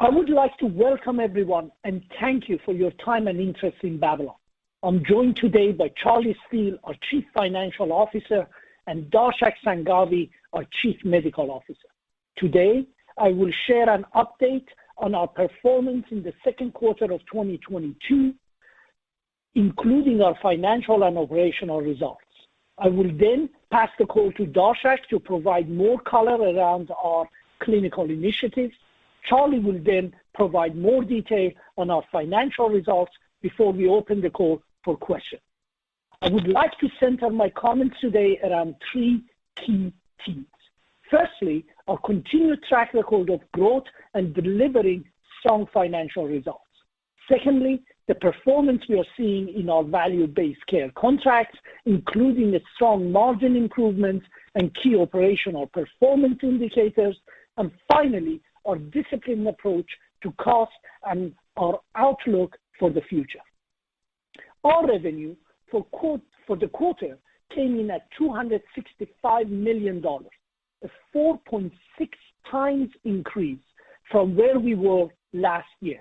I would like to welcome everyone and thank you for your time and interest in Babylon. I'm joined today by Charlie Steel, our Chief Financial Officer, and Darshak Sanghavi, our Chief Medical Officer. Today, I will share an update on our performance in the second quarter of 2022, including our financial and operational results. I will then pass the call to Darshak to provide more color around our clinical initiatives. Charlie will then provide more detail on our financial results before we open the call for questions. I would like to center my comments today around three key themes. Firstly, our continued track record of growth and delivering strong financial results. Secondly, the performance we are seeing in our Value-Based Care contracts, including a strong margin improvement and key operational performance indicators. And finally, our disciplined approach to cost and our outlook for the future. Our revenue for the quarter came in at $265 million, a 4.6x increase from where we were last year.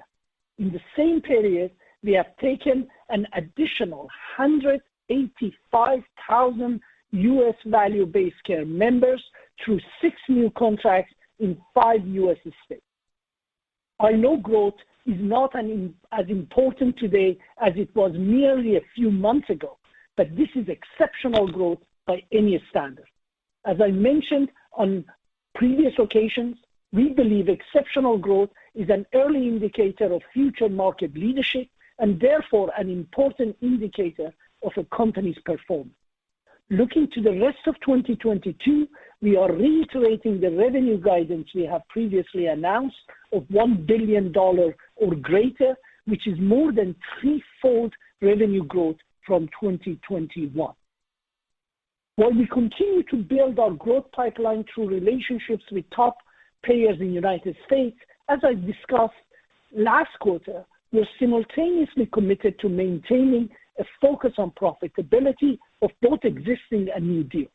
In the same period, we have taken an additional 185,000 U.S. Value-Based Care members through six new contracts in five U.S. states. I know growth is not as important today as it was merely a few months ago, but this is exceptional growth by any standard. As I mentioned on previous occasions, we believe exceptional growth is an early indicator of future market leadership and therefore an important indicator of a company's performance. Looking to the rest of 2022, we are reiterating the revenue guidance we have previously announced of $1 billion or greater, which is more than threefold revenue growth from 2021. While we continue to build our growth pipeline through relationships with top payers in the United States, as I discussed last quarter, we're simultaneously committed to maintaining a focus on profitability of both existing and new deals.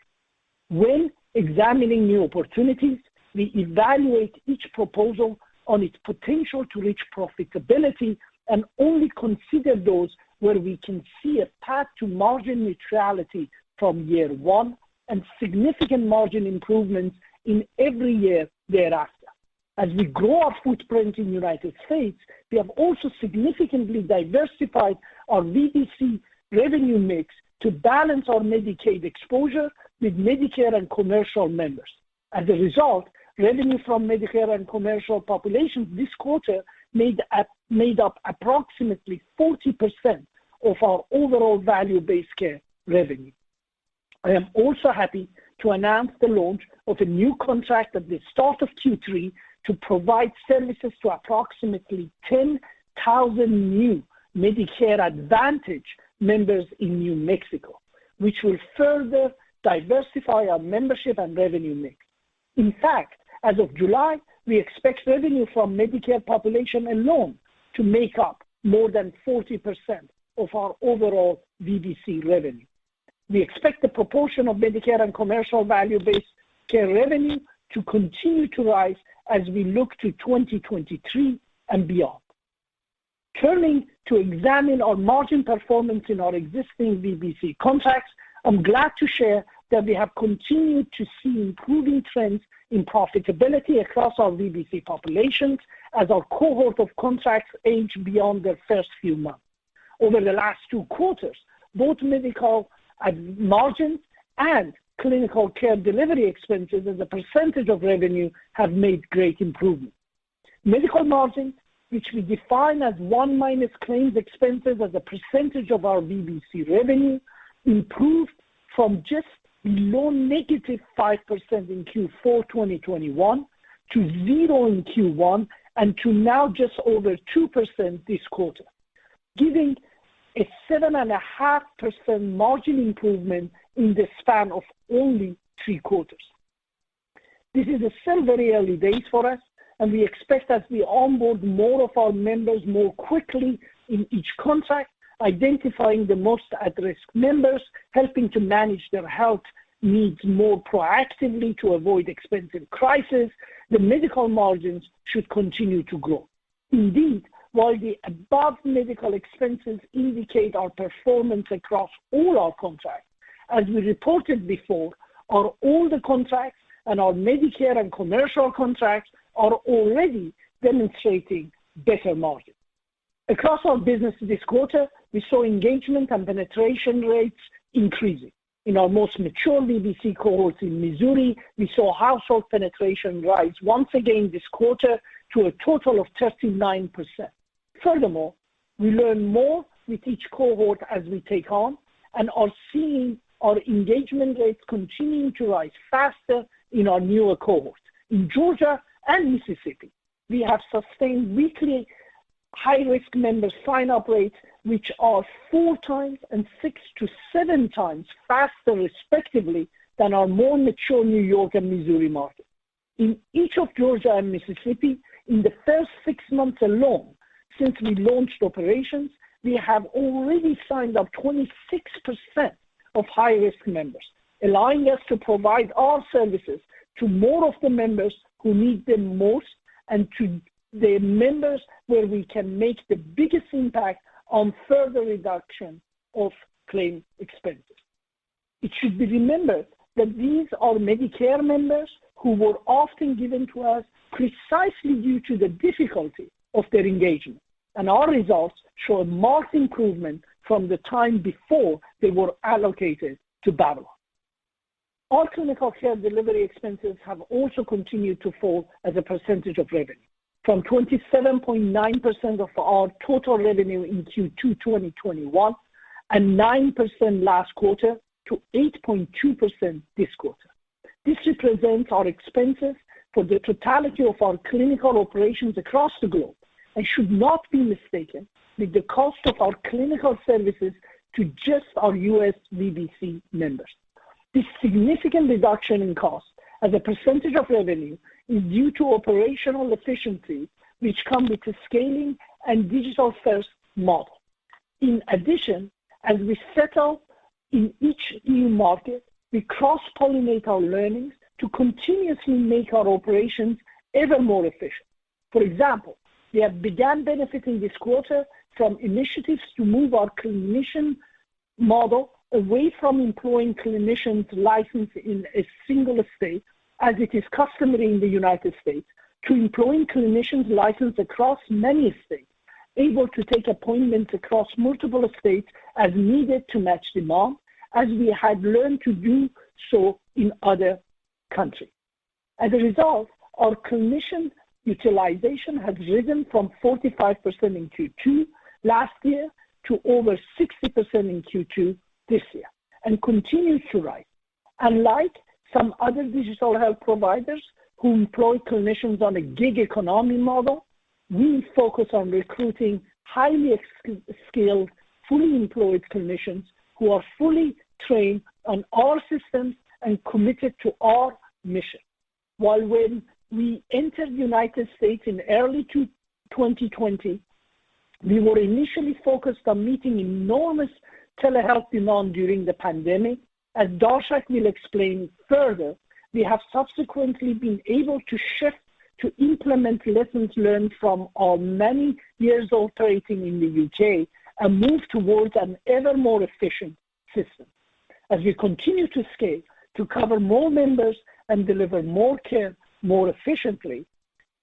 When examining new opportunities, we evaluate each proposal on its potential to reach profitability and only consider those where we can see a path to margin neutrality from year one and significant margin improvements in every year thereafter. As we grow our footprint in the United States, we have also significantly diversified our VBC revenue mix to balance our Medicaid exposure with Medicare and commercial members. As a result, revenue from Medicare and commercial populations this quarter made up approximately 40% of our overall Value-Based Care revenue. I am also happy to announce the launch of a new contract at the start of Q3 to provide services to approximately 10,000 new Medicare Advantage members in New Mexico, which will further diversify our membership and revenue mix. In fact, as of July, we expect revenue from Medicare population alone to make up more than 40% of our overall VBC revenue. We expect the proportion of Medicare and commercial Value-Based Care revenue to continue to rise as we look to 2023 and beyond. Turning to examine our margin performance in our existing VBC contracts, I'm glad to share that we have continued to see improving trends in profitability across our VBC populations as our cohort of contracts age beyond their first few months. Over the last two quarters, both medical margins and clinical care delivery expenses as a percentage of revenue have made great improvements. Medical margins, which we define as 1- claims expenses as a percentage of our VBC revenue, improved from just below -5% in Q4 2021 to 0% in Q1 and to now just over 2% this quarter, giving a 7.5% margin improvement in the span of only three quarters. This is still very early days for us, and we expect as we onboard more of our members more quickly in each contract, identifying the most at-risk members, helping to manage their health needs more proactively to avoid expensive crisis, the medical margins should continue to grow. Indeed, while the above medical expenses indicate our performance across all our contracts, as we reported before, our older contracts and our Medicare and commercial contracts are already demonstrating better margins. Across our business this quarter, we saw engagement and penetration rates increasing. In our most mature VBC cohorts in Missouri, we saw household penetration rise once again this quarter to a total of 39%. Furthermore, we learn more with each cohort as we take on and are seeing our engagement rates continuing to rise faster in our newer cohorts. In Georgia and Mississippi, we have sustained weekly high-risk member sign-up rates, which are 4x and 6x-7x faster respectively than our more mature New York and Missouri markets. In each of Georgia and Mississippi, in the first six months alone since we launched operations, we have already signed up 26% of high-risk members, allowing us to provide our services to more of the members who need them most and to the members where we can make the biggest impact on further reduction of claim expenses. It should be remembered that these are Medicare members who were often given to us precisely due to the difficulty of their engagement, and our results show marked improvement from the time before they were allocated to Babylon. Our clinical care delivery expenses have also continued to fall as a percentage of revenue from 27.9% of our total revenue in Q2 2021 and 9% last quarter to 8.2% this quarter. This represents our expenses for the totality of our clinical operations across the globe and should not be mistaken with the cost of our clinical services to just our U.S. VBC members. This significant reduction in cost as a percentage of revenue is due to operational efficiency, which come with the scaling and digital-first model. In addition, as we settle in each new market, we cross-pollinate our learnings to continuously make our operations ever more efficient. For example, we have begun benefiting this quarter from initiatives to move our clinician model away from employing clinicians licensed in a single state, as it is customary in the United States, to employing clinicians licensed across many states, able to take appointments across multiple states as needed to match demand, as we had learned to do so in other countries. As a result, our clinician utilization has risen from 45% in Q2 last year to over 60% in Q2 this year and continues to rise. Unlike some other digital health providers who employ clinicians on a gig economy model, we focus on recruiting highly experienced, skilled, fully employed clinicians who are fully trained on our systems and committed to our mission. Well, when we entered the United States in early 2020, we were initially focused on meeting enormous telehealth demand during the pandemic. As Darshak will explain further, we have subsequently been able to shift to implement lessons learned from our many years operating in the U.K. and move towards an ever more efficient system. As we continue to scale to cover more members and deliver more care more efficiently,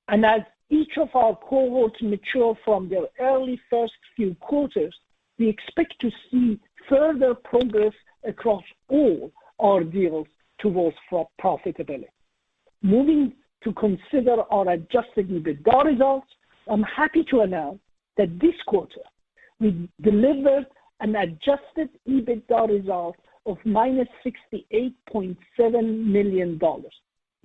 and as each of our cohorts mature from their early first few quarters, we expect to see further progress across all our deals towards profitability. Moving to consider our Adjusted EBITDA results, I'm happy to announce that this quarter we delivered an Adjusted EBITDA result of -$68.7 million,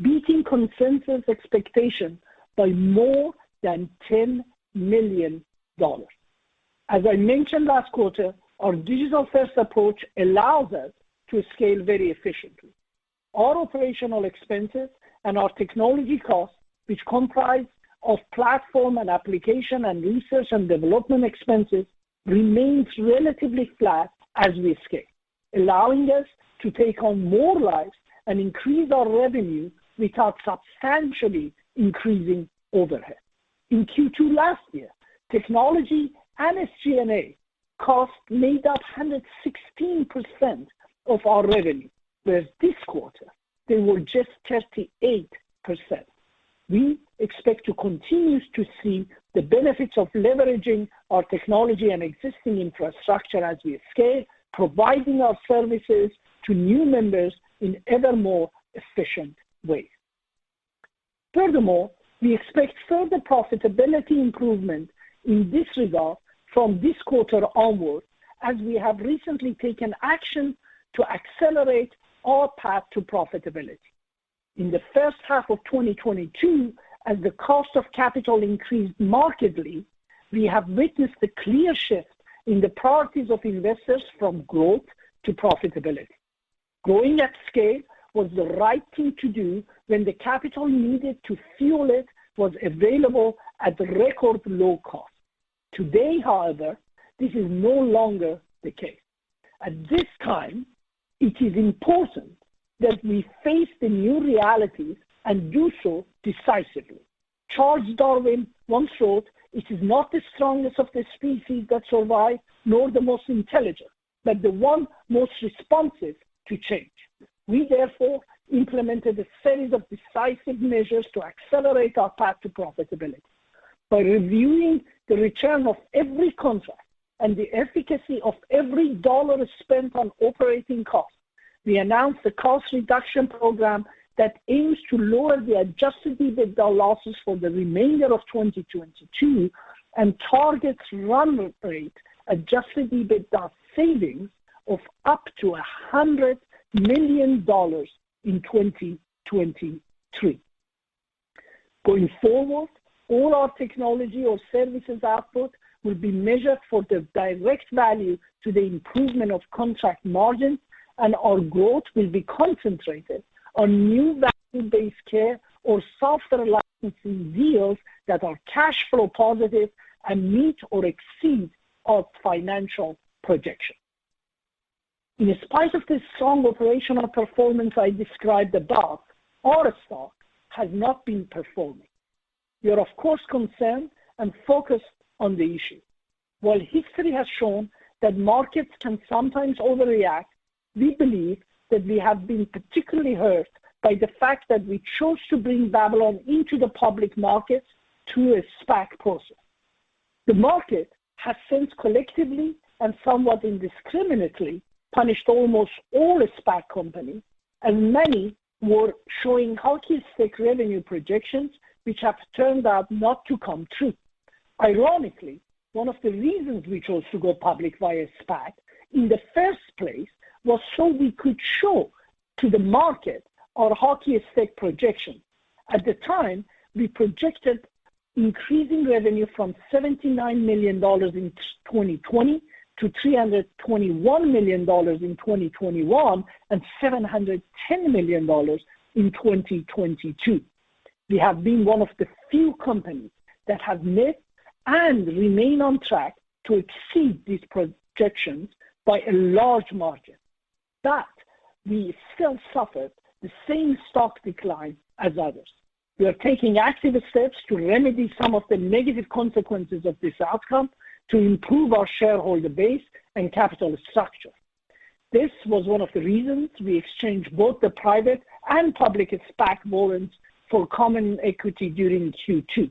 beating consensus expectations by more than $10 million. As I mentioned last quarter, our digital-first approach allows us to scale very efficiently. Our operational expenses and our technology costs, which comprise of platform and application and research and development expenses, remains relatively flat as we scale, allowing us to take on more lives and increase our revenue without substantially increasing overhead. In Q2 last year, technology and SG&A costs made up 116% of our revenue. Whereas this quarter, they were just 38%. We expect to continue to see the benefits of leveraging our technology and existing infrastructure as we scale, providing our services to new members in ever more efficient ways. Furthermore, we expect further profitability improvement in this regard from this quarter onwards, as we have recently taken action to accelerate our path to profitability. In the first half of 2022, as the cost of capital increased markedly, we have witnessed a clear shift in the priorities of investors from growth to profitability. Growing at scale was the right thing to do when the capital needed to fuel it was available at record low cost. Today, however, this is no longer the case. At this time, it is important that we face the new reality and do so decisively. Charles Darwin once wrote, "It is not the strongest of the species that survive, nor the most intelligent, but the one most responsive to change." We therefore implemented a series of decisive measures to accelerate our path to profitability. By reviewing the return of every contract and the efficacy of every dollar spent on operating costs, we announced a cost reduction program that aims to lower the Adjusted EBITDA losses for the remainder of 2022 and targets run rate Adjusted EBITDA savings of up to $100 million in 2023. Going forward, all our technology or services output will be measured for the direct value to the improvement of contract margins, and our growth will be concentrated on new Value-Based Care or software licensing deals that are cash flow positive and meet or exceed our financial projections. In spite of this strong operational performance I described above, our stock has not been performing. We are of course concerned and focused on the issue. While history has shown that markets can sometimes overreact, we believe that we have been particularly hurt by the fact that we chose to bring Babylon into the public markets through a SPAC process. The market has since collectively and somewhat indiscriminately punished almost all the SPAC companies, and many were showing hockey stick revenue projections which have turned out not to come true. Ironically, one of the reasons we chose to go public via SPAC in the first place was so we could show to the market our hockey stick projection. At the time, we projected increasing revenue from $79 million in 2020 to $321 million in 2021 and $710 million in 2022. We have been one of the few companies that have met and remain on track to exceed these projections by a large margin, but we still suffered the same stock decline as others. We are taking active steps to remedy some of the negative consequences of this outcome to improve our shareholder base and capital structure. This was one of the reasons we exchanged both the private and public SPAC warrants for common equity during Q2.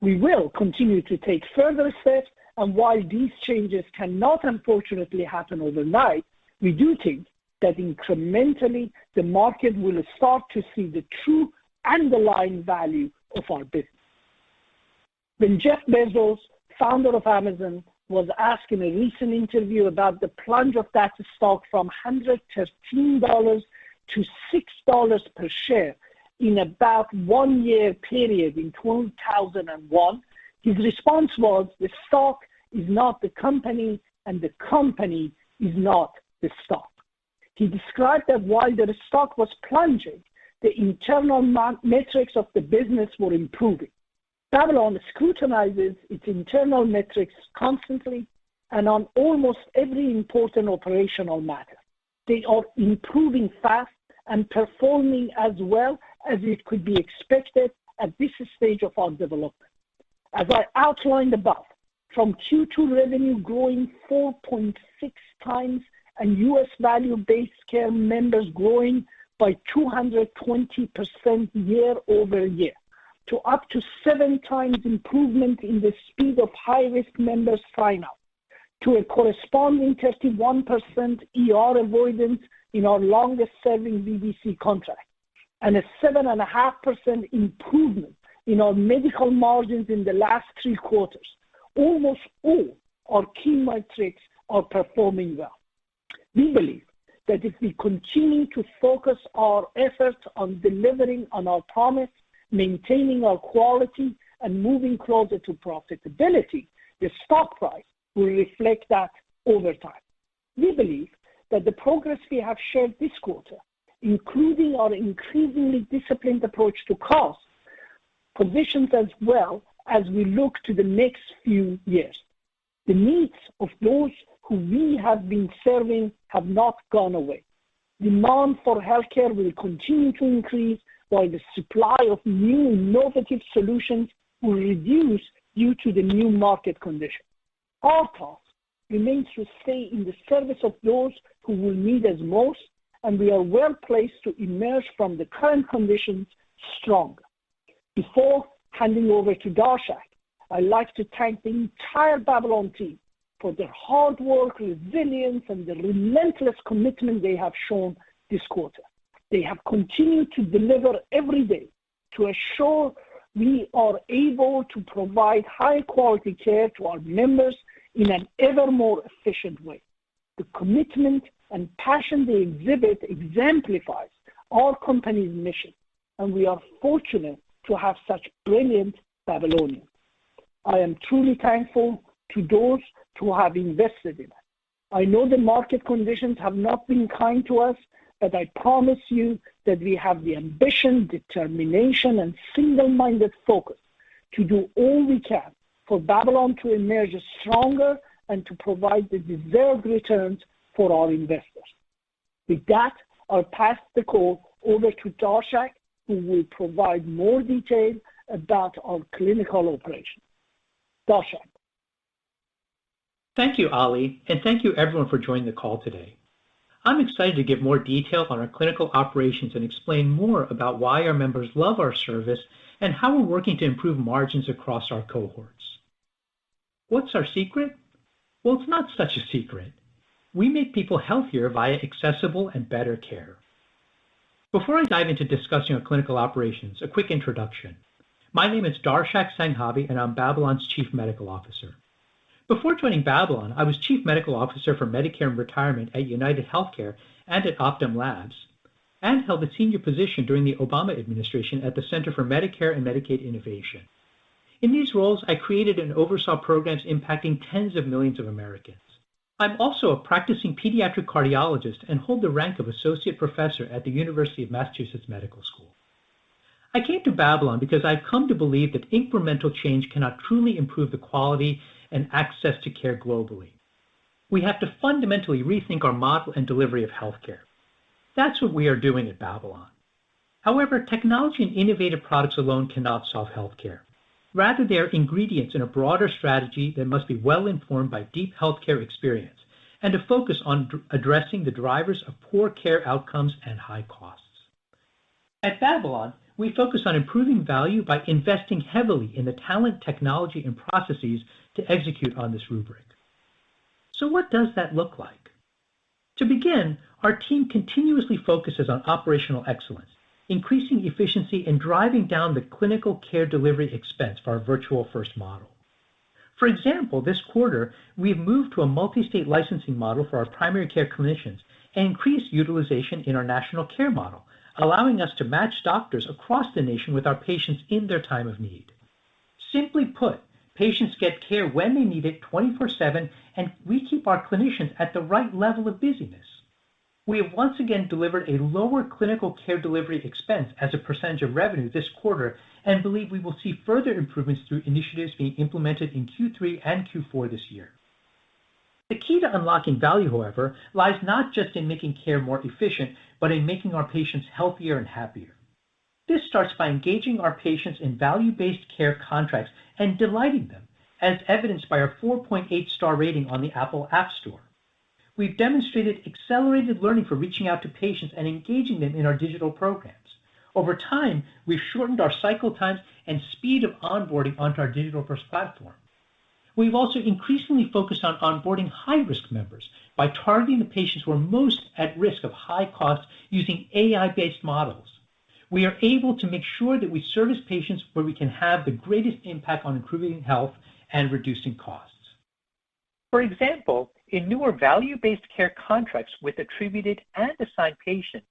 We will continue to take further steps, and while these changes cannot unfortunately happen overnight, we do think that incrementally the market will start to see the true underlying value of our business. When Jeff Bezos, founder of Amazon, was asked in a recent interview about the plunge of that stock from $113 to $6 per share in about one-year period in 2001, his response was, "The stock is not the company, and the company is not the stock." He described that while the stock was plunging, the internal metrics of the business were improving. Babylon scrutinizes its internal metrics constantly and on almost every important operational matter. They are improving fast and performing as well as it could be expected at this stage of our development. As I outlined above, from Q2 revenue growing 4.6x and U.S. Value-Based Care members growing by 220% year-over-year, to up to 7x improvement in the speed of high-risk members sign-up, to a corresponding 31% ER avoidance in our longest serving VBC contract and a 7.5% improvement in our medical margins in the last three quarters. Almost all our key metrics are performing well. We believe that if we continue to focus our efforts on delivering on our promise, maintaining our quality and moving closer to profitability, the stock price will reflect that over time. We believe that the progress we have shared this quarter, including our increasingly disciplined approach to cost, positions us well as we look to the next few years. The needs of those who we have been serving have not gone away. Demand for healthcare will continue to increase while the supply of new innovative solutions will reduce due to the new market conditions. Our call remains to stay in the service of those who will need us most, and we are well-placed to emerge from the current conditions stronger. Before handing over to Darshak, I'd like to thank the entire Babylon team for their hard work, resilience and the relentless commitment they have shown this quarter. They have continued to deliver every day to ensure we are able to provide high quality care to our members in an ever more efficient way. The commitment and passion they exhibit exemplifies our company's mission, and we are fortunate to have such brilliant Babylonians. I am truly thankful to those who have invested in us. I know the market conditions have not been kind to us, but I promise you that we have the ambition, determination and single-minded focus to do all we can for Babylon to emerge stronger and to provide the deserved returns for our investors. With that, I'll pass the call over to Darshak, who will provide more detail about our clinical operations. Darshak. Thank you, Ali, and thank you everyone for joining the call today. I'm excited to give more detail on our clinical operations and explain more about why our members love our service and how we're working to improve margins across our cohorts. What's our secret? Well, it's not such a secret. We make people healthier via accessible and better care. Before I dive into discussing our clinical operations, a quick introduction. My name is Darshak Sanghavi, and I'm Babylon's Chief Medical Officer. Before joining Babylon, I was Chief Medical Officer for Medicare and Retirement at UnitedHealthcare and at Optum Labs. Held a senior position during the Obama administration at the Center for Medicare and Medicaid Innovation. In these roles, I created and oversaw programs impacting tens of millions of Americans. I'm also a practicing pediatric cardiologist and hold the rank of associate professor at the University of Massachusetts Medical School. I came to Babylon because I've come to believe that incremental change cannot truly improve the quality and access to care globally. We have to fundamentally rethink our model and delivery of healthcare. That's what we are doing at Babylon. However, technology and innovative products alone cannot solve healthcare. Rather, they are ingredients in a broader strategy that must be well informed by deep healthcare experience and a focus on addressing the drivers of poor care outcomes and high costs. At Babylon, we focus on improving value by investing heavily in the talent, technology, and processes to execute on this rubric. What does that look like? To begin, our team continuously focuses on operational excellence, increasing efficiency, and driving down the clinical care delivery expense for our virtual first model. For example, this quarter, we've moved to a multi-state licensing model for our primary care clinicians and increased utilization in our national care model, allowing us to match doctors across the nation with our patients in their time of need. Simply put, patients get care when they need it 24/7, and we keep our clinicians at the right level of busyness. We have once again delivered a lower clinical care delivery expense as a percentage of revenue this quarter and believe we will see further improvements through initiatives being implemented in Q3 and Q4 this year. The key to unlocking value, however, lies not just in making care more efficient, but in making our patients healthier and happier. This starts by engaging our patients in value-based care contracts and delighting them, as evidenced by our 4.8-star rating on the Apple App Store. We've demonstrated accelerated learning for reaching out to patients and engaging them in our digital programs. Over time, we've shortened our cycle times and speed of onboarding onto our digital-first platform. We've also increasingly focused on onboarding high-risk members by targeting the patients who are most at risk of high cost using AI-based models. We are able to make sure that we service patients where we can have the greatest impact on improving health and reducing costs. For example, in newer Value-Based Care contracts with attributed and assigned patients,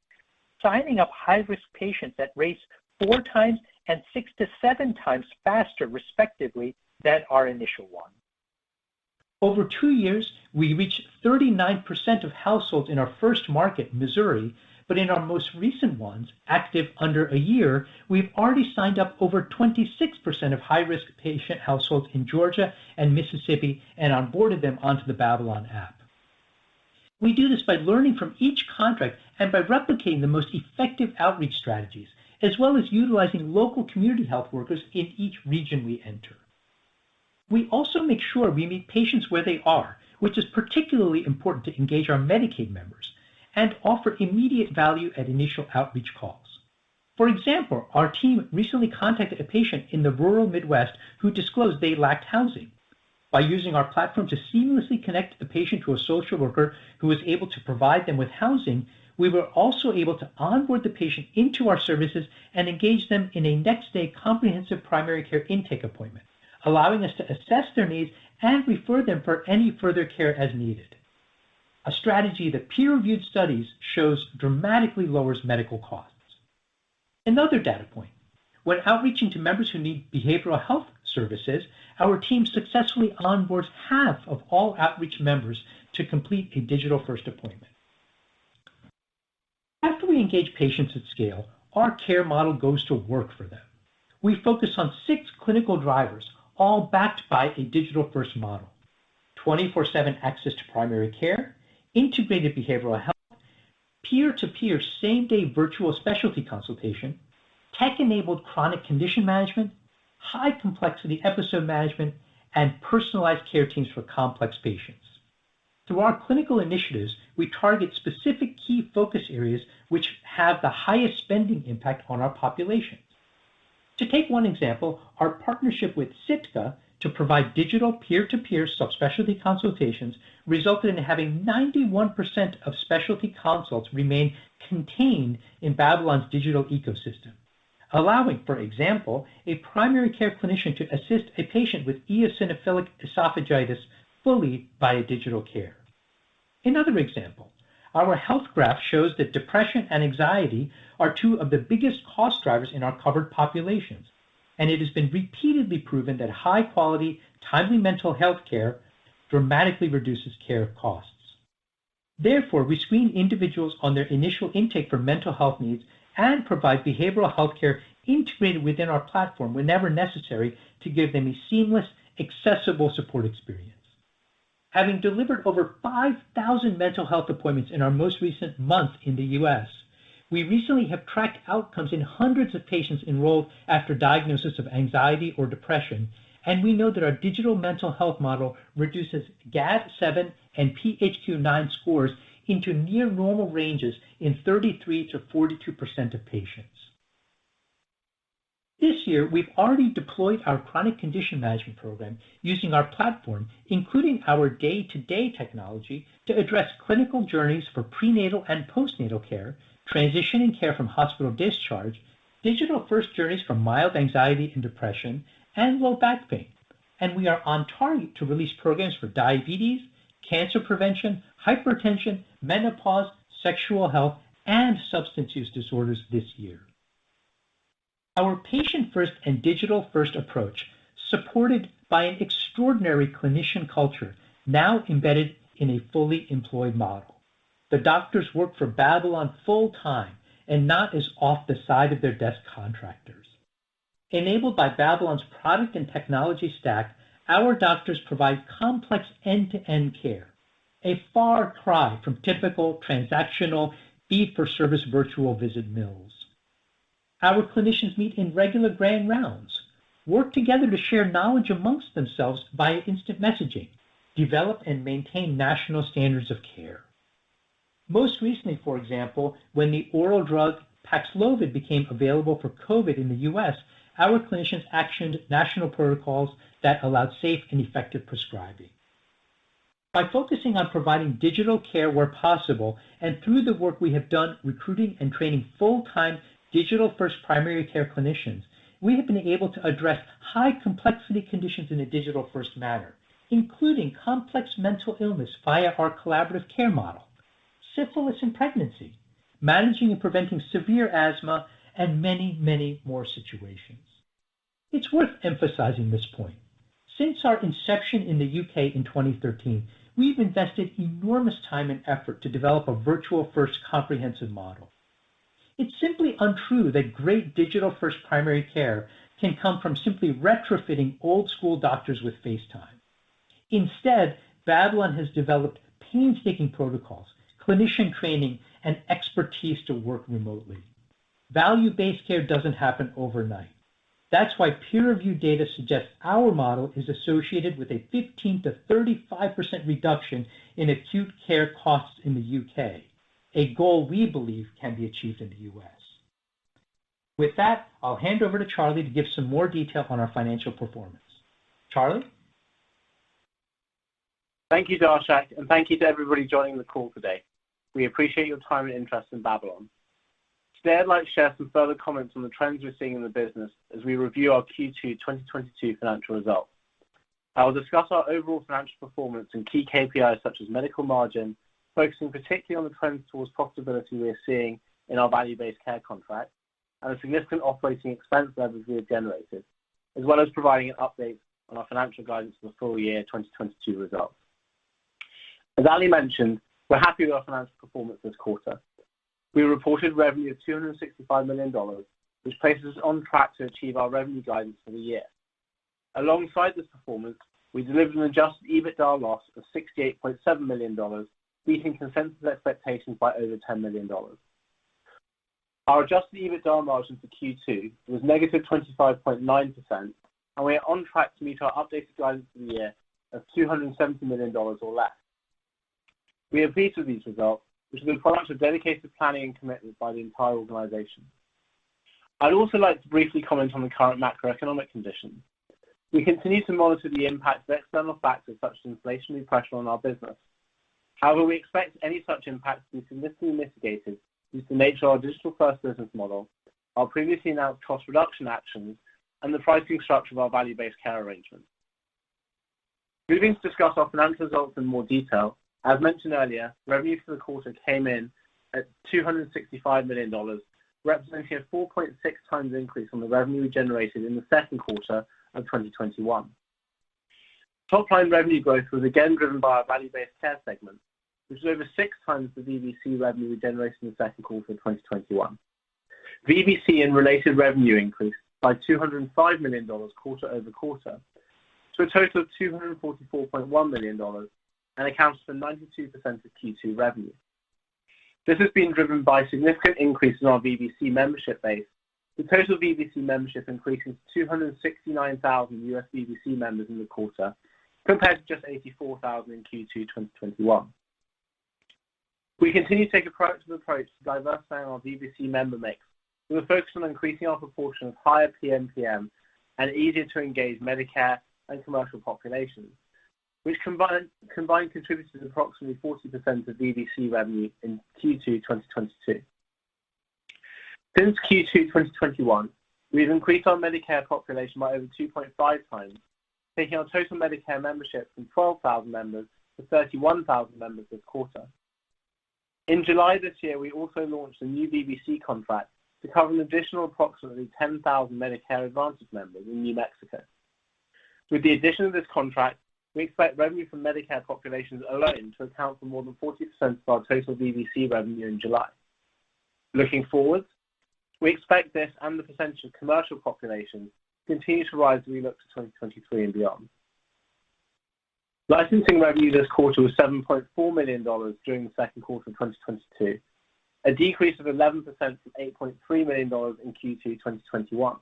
signing up high-risk patients at rates 4x and 6x-7x faster, respectively, than our initial one. Over two years, we reached 39% of households in our first market, Missouri, but in our most recent ones, active under a year, we've already signed up over 26% of high-risk patient households in Georgia and Mississippi and onboarded them onto the Babylon app. We do this by learning from each contract and by replicating the most effective outreach strategies, as well as utilizing local community health workers in each region we enter. We also make sure we meet patients where they are, which is particularly important to engage our Medicaid members and offer immediate value at initial outreach calls. For example, our team recently contacted a patient in the rural Midwest who disclosed they lacked housing. By using our platform to seamlessly connect the patient to a social worker who was able to provide them with housing, we were also able to onboard the patient into our services and engage them in a next day comprehensive primary care intake appointment, allowing us to assess their needs and refer them for any further care as needed. A strategy that peer-reviewed studies shows dramatically lowers medical costs. Another data point, when outreaching to members who need behavioral health services, our team successfully onboards half of all outreach members to complete a digital first appointment. After we engage patients at scale, our care model goes to work for them. We focus on six clinical drivers, all backed by a digital first model. 24/7 access to primary care, integrated behavioral health, peer-to-peer same-day virtual specialty consultation, tech-enabled chronic condition management, high complexity episode management, and personalized care teams for complex patients. Through our clinical initiatives, we target specific key focus areas which have the highest spending impact on our populations. To take one example, our partnership with Sitka to provide digital peer-to-peer subspecialty consultations resulted in having 91% of specialty consults remain contained in Babylon's digital ecosystem. Allowing, for example, a primary care clinician to assist a patient with eosinophilic esophagitis fully via digital care. Another example, our Health Graph shows that depression and anxiety are two of the biggest cost drivers in our covered populations, and it has been repeatedly proven that high quality, timely mental health care dramatically reduces care costs. Therefore, we screen individuals on their initial intake for mental health needs and provide behavioral health care integrated within our platform whenever necessary to give them a seamless, accessible support experience. Having delivered over 5,000 mental health appointments in our most recent month in the U.S., we recently have tracked outcomes in hundreds of patients enrolled after diagnosis of anxiety or depression, and we know that our digital mental health model reduces GAD-7 and PHQ-9 scores into near normal ranges in 33%-42% of patients. This year, we've already deployed our chronic condition management program using our platform, including our day-to-day technology, to address clinical journeys for prenatal and postnatal care, transitioning care from hospital discharge, digital first journeys for mild anxiety and depression, and low back pain. We are on target to release programs for diabetes, cancer prevention, hypertension, menopause, sexual health, and substance use disorders this year. Our patient-first and digital-first approach, supported by an extraordinary clinician culture now embedded in a fully employed model. The doctors work for Babylon full-time and not as off the side of their desk contractors. Enabled by Babylon's product and technology stack, our doctors provide complex end-to-end care, a far cry from typical transactional fee-for-service virtual visit mills. Our clinicians meet in regular grand rounds, work together to share knowledge amongst themselves via instant messaging, develop and maintain national standards of care. Most recently, for example, when the oral drug Paxlovid became available for COVID in the U.S., our clinicians actioned national protocols that allowed safe and effective prescribing. By focusing on providing digital care where possible and through the work we have done recruiting and training full-time digital-first primary care clinicians, we have been able to address high complexity conditions in a digital-first manner, including complex mental illness via our collaborative care model, syphilis in pregnancy, managing and preventing severe asthma, and many, many more situations. It's worth emphasizing this point. Since our inception in the U.K. in 2013, we've invested enormous time and effort to develop a virtual-first comprehensive model. It's simply untrue that great digital-first primary care can come from simply retrofitting old school doctors with FaceTime. Instead, Babylon has developed painstaking protocols, clinician training, and expertise to work remotely. Value-Based Care doesn't happen overnight. That's why peer-reviewed data suggests our model is associated with a 15%-35% reduction in acute care costs in the U.K. A goal we believe can be achieved in the U.S. With that, I'll hand over to Charlie to give some more detail on our financial performance. Charlie. Thank you, Darshak, and thank you to everybody joining the call today. We appreciate your time and interest in Babylon. Today, I'd like to share some further comments on the trends we're seeing in the business as we review our Q2 2022 financial results. I will discuss our overall financial performance and key KPIs such as medical margin, focusing particularly on the trends towards profitability we are seeing in our Value-Based Care contract and the significant operating expense levels we have generated, as well as providing an update on our financial guidance for the full year 2022 results. As Ali mentioned, we're happy with our financial performance this quarter. We reported revenue of $265 million, which places us on track to achieve our revenue guidance for the year. Alongside this performance, we delivered an Adjusted EBITDA loss of $68.7 million, beating consensus expectations by over $10 million. Our Adjusted EBITDA margin for Q2 was -25.9%, and we are on track to meet our updated guidance for the year of $270 million or less. We are pleased with these results, which have been product of dedicated planning and commitment by the entire organization. I'd also like to briefly comment on the current macroeconomic conditions. We continue to monitor the impact of external factors such as inflationary pressure on our business. However, we expect any such impacts to be significantly mitigated due to the nature of our digital-first business model, our previously announced cost reduction actions, and the pricing structure of our Value-Based Care arrangements. Moving to discuss our financial results in more detail. As mentioned earlier, revenue for the quarter came in at $265 million, representing a 4.6x increase from the revenue we generated in the second quarter of 2021. Top-line revenue growth was again driven by our Value-Based Care segment, which was over 6x the VBC revenue we generated in the second quarter of 2021. VBC and related revenue increased by $205 million quarter-over-quarter to a total of $244.1 million and accounts for 92% of Q2 revenue. This has been driven by significant increases in our VBC membership base, with total VBC membership increasing to 269,000 U.S. VBC members in the quarter, compared to just 84,000 in Q2 2021. We continue to take a practical approach to diversifying our VBC member mix. We were focused on increasing our proportion of higher PMPM and easier to engage Medicare and commercial populations, which combined contributed approximately 40% of VBC revenue in Q2 2022. Since Q2 2021, we've increased our Medicare population by over 2.5x, taking our total Medicare membership from 12,000 members to 31,000 members this quarter. In July this year, we also launched a new VBC contract to cover an additional approximately 10,000 Medicare Advantage members in New Mexico. With the addition of this contract, we expect revenue from Medicare populations alone to account for more than 40% of our total VBC revenue in July. Looking forward, we expect this and the potential commercial population to continue to rise as we look to 2023 and beyond. Licensing revenue this quarter was $7.4 million during the second quarter of 2022, a decrease of 11% from $8.3 million in Q2 2021.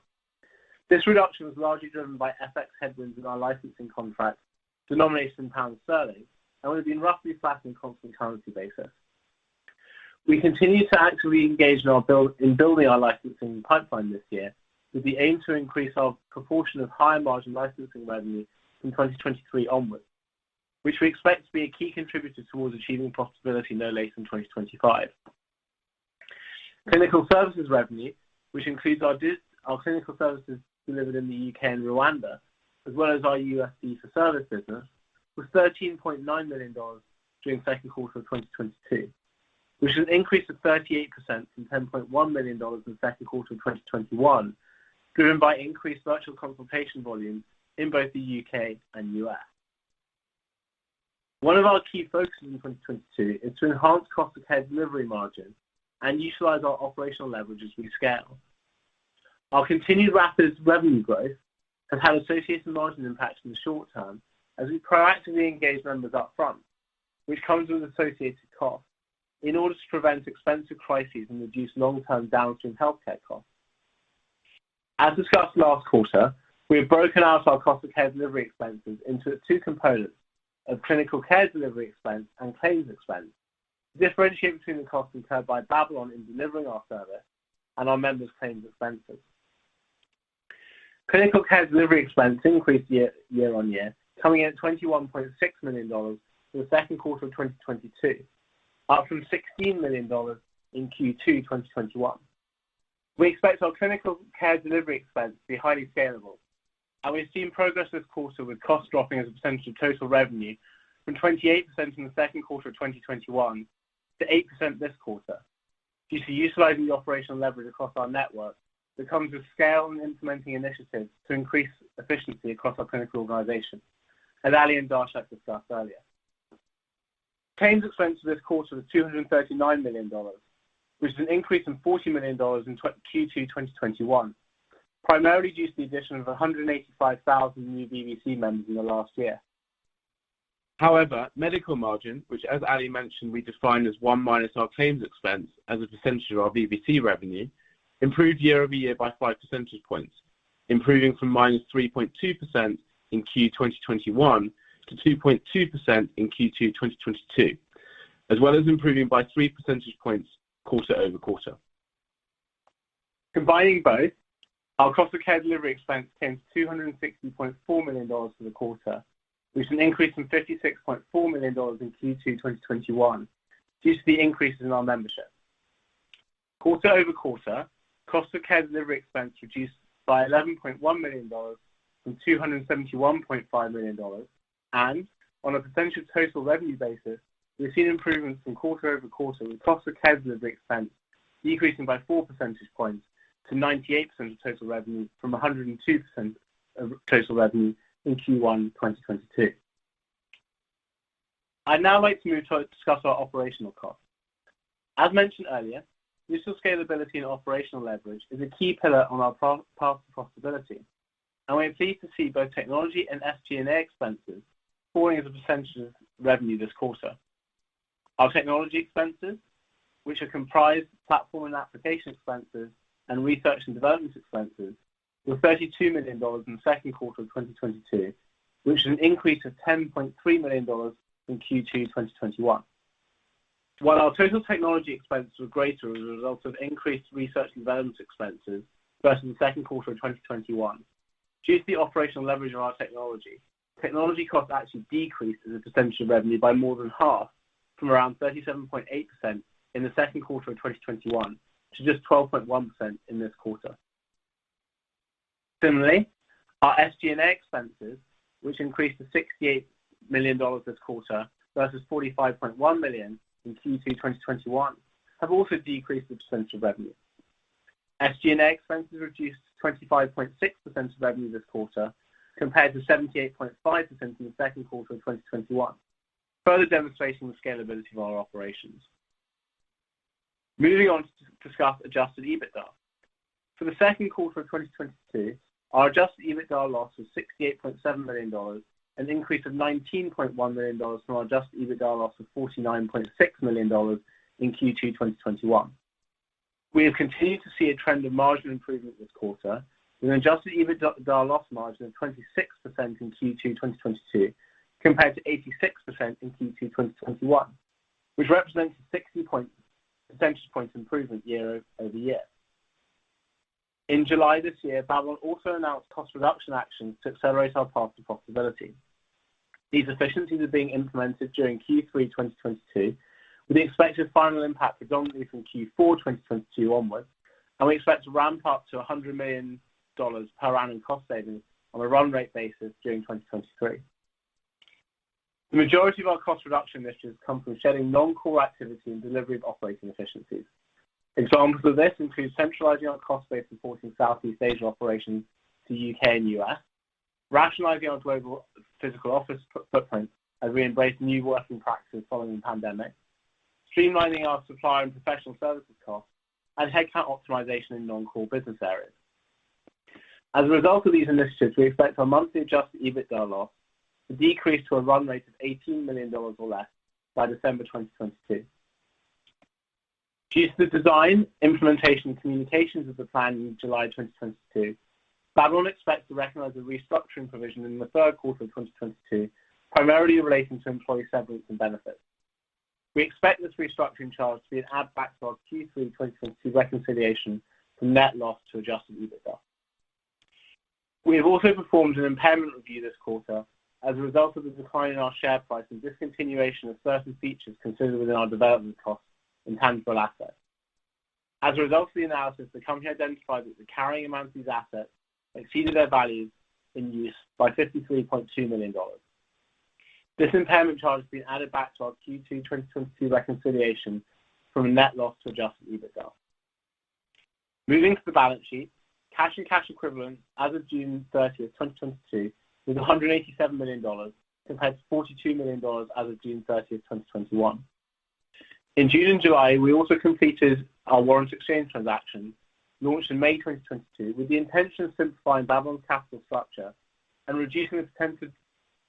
This reduction was largely driven by FX headwinds in our licensing contract denomination pound sterling and would have been roughly flat in constant currency basis. We continue to actively engage in building our licensing pipeline this year with the aim to increase our proportion of higher margin licensing revenue in 2023 onwards, which we expect to be a key contributor towards achieving profitability no later than 2025. Clinical services revenue, which includes our clinical services delivered in the U.K. and Rwanda, as well as our U.S. consumer service business, was $13.9 million during second quarter of 2022, which is an increase of 38% from $10.1 million in second quarter of 2021, driven by increased virtual consultation volumes in both the U.K. and U.S. One of our key focuses in 2022 is to enhance cost of care delivery margin and utilize our operational leverage as we scale. Our continued rapid revenue growth has had associated margin impacts in the short term as we proactively engage members up front, which comes with associated costs, in order to prevent expensive crises and reduce long-term downstream healthcare costs. As discussed last quarter, we have broken out our cost of care delivery expenses into two components of clinical care delivery expense and claims expense to differentiate between the costs incurred by Babylon in delivering our service and our members' claims expenses. Clinical care delivery expense increased year-over-year, coming in at $21.6 million for the second quarter of 2022, up from $16 million in Q2 2021. We expect our clinical care delivery expense to be highly scalable, and we've seen progress this quarter with costs dropping as a percentage of total revenue from 28% in the second quarter of 2021 to 8% this quarter due to utilizing the operational leverage across our network that comes with scale and implementing initiatives to increase efficiency across our clinical organization, as Ali and Darshak discussed earlier. Claims expenses this quarter was $239 million, which is an increase of $40 million from Q2 2021, primarily due to the addition of 185,000 new VBC members in the last year. However, medical margin, which, as Ali mentioned, we define as one minus our claims expense as a percentage of our VBC revenue, improved year-over-year by 5 percentage points, improving from -3.2% in Q2 2021 to 2.2% in Q2 2022, as well as improving by 3 percentage points quarter-over-quarter. Combining both, our cost of care delivery expense came to $260.4 million for the quarter, which is an increase from $56.4 million in Q2 2021 due to the increases in our membership. Quarter-over-quarter, cost of care delivery expense reduced by $11.1 million from $271.5 million. On a percentage of total revenue basis, we've seen improvements from quarter-over-quarter with cost of care delivery expense decreasing by 4 percentage points to 98% of total revenue from 102% of total revenue in Q1 2022. I'd now like to move to discuss our operational costs. As mentioned earlier, useful scalability and operational leverage is a key pillar on our path to profitability, and we are pleased to see both technology and SG&A expenses falling as a percentage of revenue this quarter. Our technology expenses, which are comprised of platform and application expenses and research and development expenses, were $32 million in the second quarter of 2022, which is an increase of $10.3 million from Q2 2021. While our total technology expenses were greater as a result of increased research and development expenses versus the second quarter of 2021, due to the operational leverage of our technology costs actually decreased as a percentage of revenue by more than half from around 37.8% in the second quarter of 2021 to just 12.1% in this quarter. Similarly, our SG&A expenses, which increased to $68 million this quarter versus $45.1 million in Q2 2021, have also decreased as a percentage of revenue. SG&A expenses reduced to 25.6% of revenue this quarter compared to 78.5% in the second quarter of 2021, further demonstrating the scalability of our operations. Moving on to discuss Adjusted EBITDA. For the second quarter of 2022, our Adjusted EBITDA loss was $68.7 million, an increase of $19.1 million from our Adjusted EBITDA loss of $49.6 million in Q2 2021. We have continued to see a trend of margin improvement this quarter with an Adjusted EBITDA loss margin of 26% in Q2 2022 compared to 86% in Q2 2021, which represents a 60 percentage points improvement year over year. In July this year, Babylon also announced cost reduction actions to accelerate our path to profitability. These efficiencies are being implemented during Q3 2022, with the expected final impact predominantly from Q4 2022 onwards, and we expect to ramp up to $100 million per annum in cost savings on a run rate basis during 2023. The majority of our cost reduction initiatives come from shedding non-core activity and delivery of operating efficiencies. Examples of this include centralizing our cost base and support in Southeast Asia operations to U.K. and U.S., rationalizing our global physical office footprint as we embrace new working practices following the pandemic, streamlining our supplier and professional services costs, and headcount optimization in non-core business areas. As a result of these initiatives, we expect our monthly Adjusted EBITDA loss to decrease to a run rate of $18 million or less by December 2022. Due to the design, implementation, communications of the plan in July 2022, Babylon expects to recognize a restructuring provision in the third quarter of 2022, primarily relating to employee severance and benefits. We expect this restructuring charge to be an add back to our Q3 2022 reconciliation from net loss to Adjusted EBITDA. We have also performed an impairment review this quarter as a result of the decline in our share price and discontinuation of certain features considered within our development costs and tangible assets. As a result of the analysis, the company identified that the carrying amounts of these assets exceeded their values in use by $53.2 million. This impairment charge has been added back to our Q2 2022 reconciliation from a net loss to Adjusted EBITDA. Moving to the balance sheet, cash and cash equivalents as of June 30, 2022 was $187 million compared to $42 million as of June 30, 2021. In June and July, we also completed our warrants exchange transaction launched in May 2022 with the intention of simplifying Babylon's capital structure and reducing its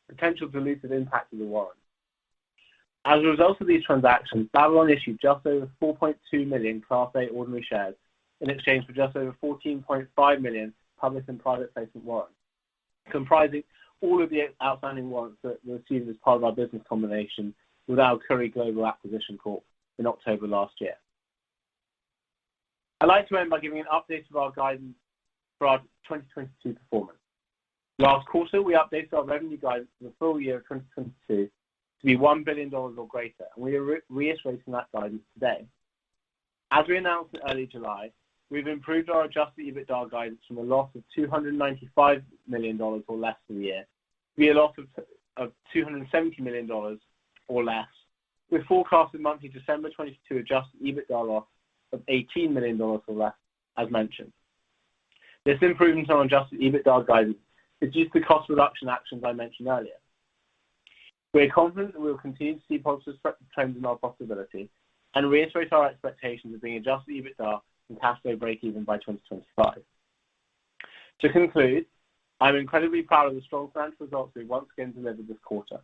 potential dilutive impact of the warrants. As a result of these transactions, Babylon issued just over 4.2 million Class A ordinary shares in exchange for just over 14.5 million public and private placement warrants, comprising all of the outstanding warrants that were received as part of our business combination with Alkuri Global Acquisition Corp in October last year. I'd like to end by giving an update of our guidance for our 2022 performance. Last quarter, we updated our revenue guidance for the full year of 2022 to be $1 billion or greater. We are reiterating that guidance today. As we announced in early July, we've improved our Adjusted EBITDA guidance from a loss of $295 million or less for the year to be a loss of $270 million or less. We're forecasting month of December 2022 Adjusted EBITDA loss of $18 million or less, as mentioned. This improvement on Adjusted EBITDA guidance is due to the cost reduction actions I mentioned earlier. We're confident that we will continue to see positive trends in our profitability and reiterate our expectations of being Adjusted EBITDA and cash flow breakeven by 2025. To conclude, I'm incredibly proud of the strong financial results we've once again delivered this quarter.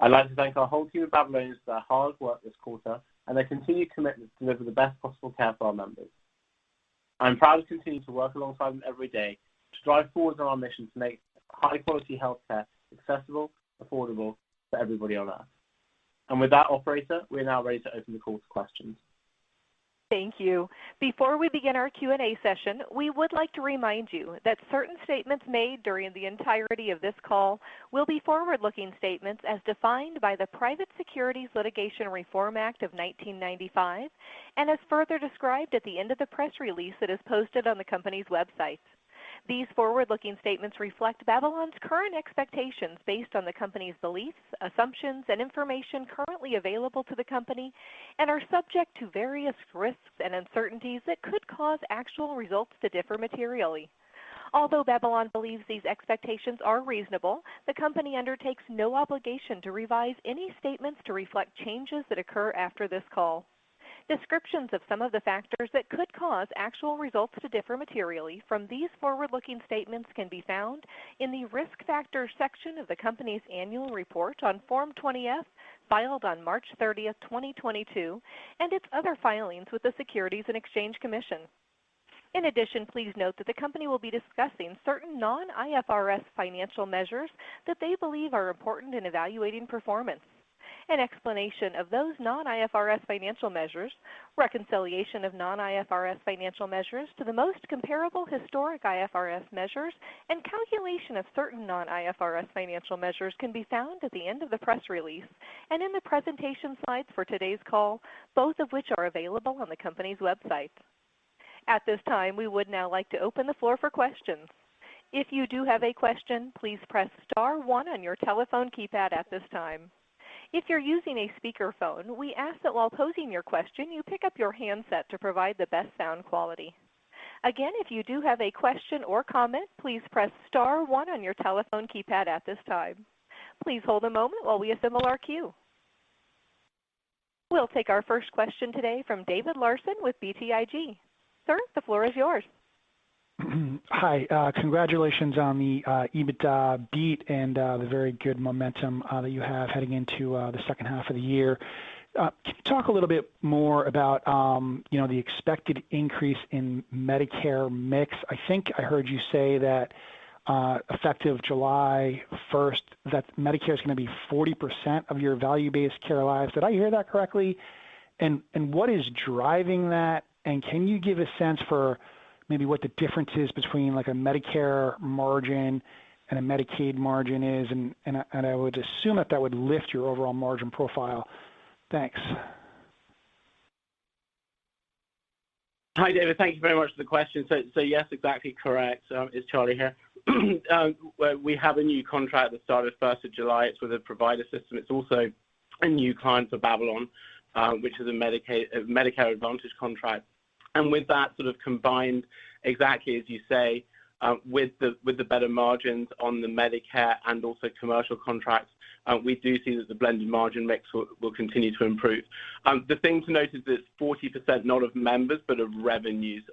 I'd like to thank our whole team at Babylon for their hard work this quarter and their continued commitment to deliver the best possible care for our members. I'm proud to continue to work alongside them every day to drive forward on our mission to make high-quality health care accessible, affordable for everybody on earth. With that, operator, we are now ready to open the call to questions. Thank you. Before we begin our Q&A session, we would like to remind you that certain statements made during the entirety of this call will be forward-looking statements as defined by the Private Securities Litigation Reform Act of 1995 and as further described at the end of the press release that is posted on the company's website. These forward-looking statements reflect Babylon's current expectations based on the company's beliefs, assumptions, and information currently available to the company and are subject to various risks and uncertainties that could cause actual results to differ materially. Although Babylon believes these expectations are reasonable, the company undertakes no obligation to revise any statements to reflect changes that occur after this call. Descriptions of some of the factors that could cause actual results to differ materially from these forward-looking statements can be found in the Risk Factors section of the company's annual report on Form 20-F, filed on March 30, 2022, and its other filings with the Securities and Exchange Commission. In addition, please note that the company will be discussing certain non-IFRS financial measures that they believe are important in evaluating performance. An explanation of those non-IFRS financial measures, reconciliation of non-IFRS financial measures to the most comparable historic IFRS measures, and calculation of certain non-IFRS financial measures can be found at the end of the press release and in the presentation slides for today's call, both of which are available on the company's website. At this time, we would now like to open the floor for questions. If you do have a question, please press star one on your telephone keypad at this time. If you're using a speakerphone, we ask that while posing your question, you pick up your handset to provide the best sound quality. Again, if you do have a question or comment, please press star one on your telephone keypad at this time. Please hold a moment while we assemble our queue. We'll take our first question today from David Larsen with BTIG. Sir, the floor is yours. Hi. Congratulations on the EBITDA beat and the very good momentum that you have heading into the second half of the year. Can you talk a little bit more about, you know, the expected increase in Medicare mix? I think I heard you say that effective July first, that Medicare is gonna be 40% of your Value-Based Care lives. Did I hear that correctly? What is driving that? Can you give a sense for maybe what the difference is between, like, a Medicare margin and a Medicaid margin is? I would assume that that would lift your overall margin profile. Thanks. Hi, David. Thank you very much for the question. Yes, exactly correct. It's Charlie here. We have a new contract that started first of July. It's with a provider system. It's also a new client for Babylon, which is a Medicare Advantage contract. With that sort of combined, exactly as you say, with the better margins on the Medicare and also commercial contracts, we do see that the blended margin mix will continue to improve. The thing to note is that 40% not of members, but of revenues,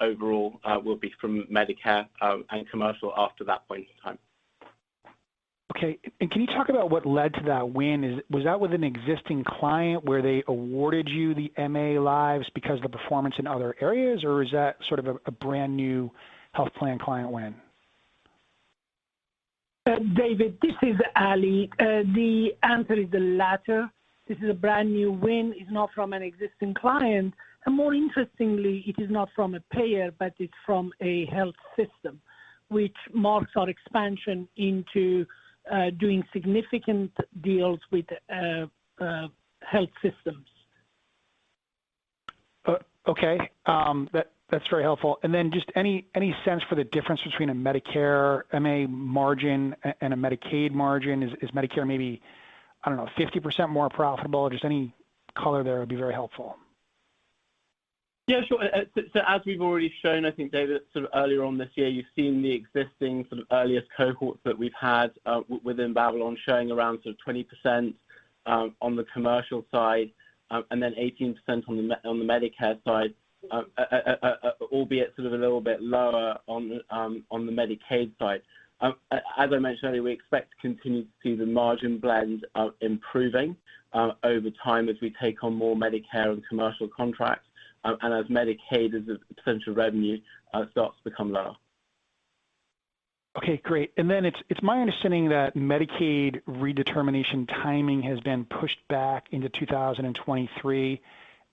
overall, will be from Medicare and commercial after that point in time. Okay. Can you talk about what led to that win? Was that with an existing client where they awarded you the MA lives because of the performance in other areas, or is that sort of a brand-new health plan client win? David, this is Ali. The answer is the latter. This is a brand new win. It's not from an existing client, and more interestingly, it is not from a payer, but it's from a health system, which marks our expansion into doing significant deals with health systems. Okay. That's very helpful. Just any sense for the difference between a Medicare MA margin and a Medicaid margin. Is Medicare maybe, I don't know, 50% more profitable? Just any color there would be very helpful. Yeah, sure. As we've already shown, I think, David, sort of earlier on this year, you've seen the existing sort of earliest cohorts that we've had within Babylon showing around sort of 20% on the commercial side and then 18% on the Medicare side, albeit sort of a little bit lower on the Medicaid side. As I mentioned earlier, we expect to continue to see the margin blend improving over time as we take on more Medicare and commercial contracts, and as Medicaid as a potential revenue starts to come along. Okay, great. Then it's my understanding that Medicaid redetermination timing has been pushed back into 2023,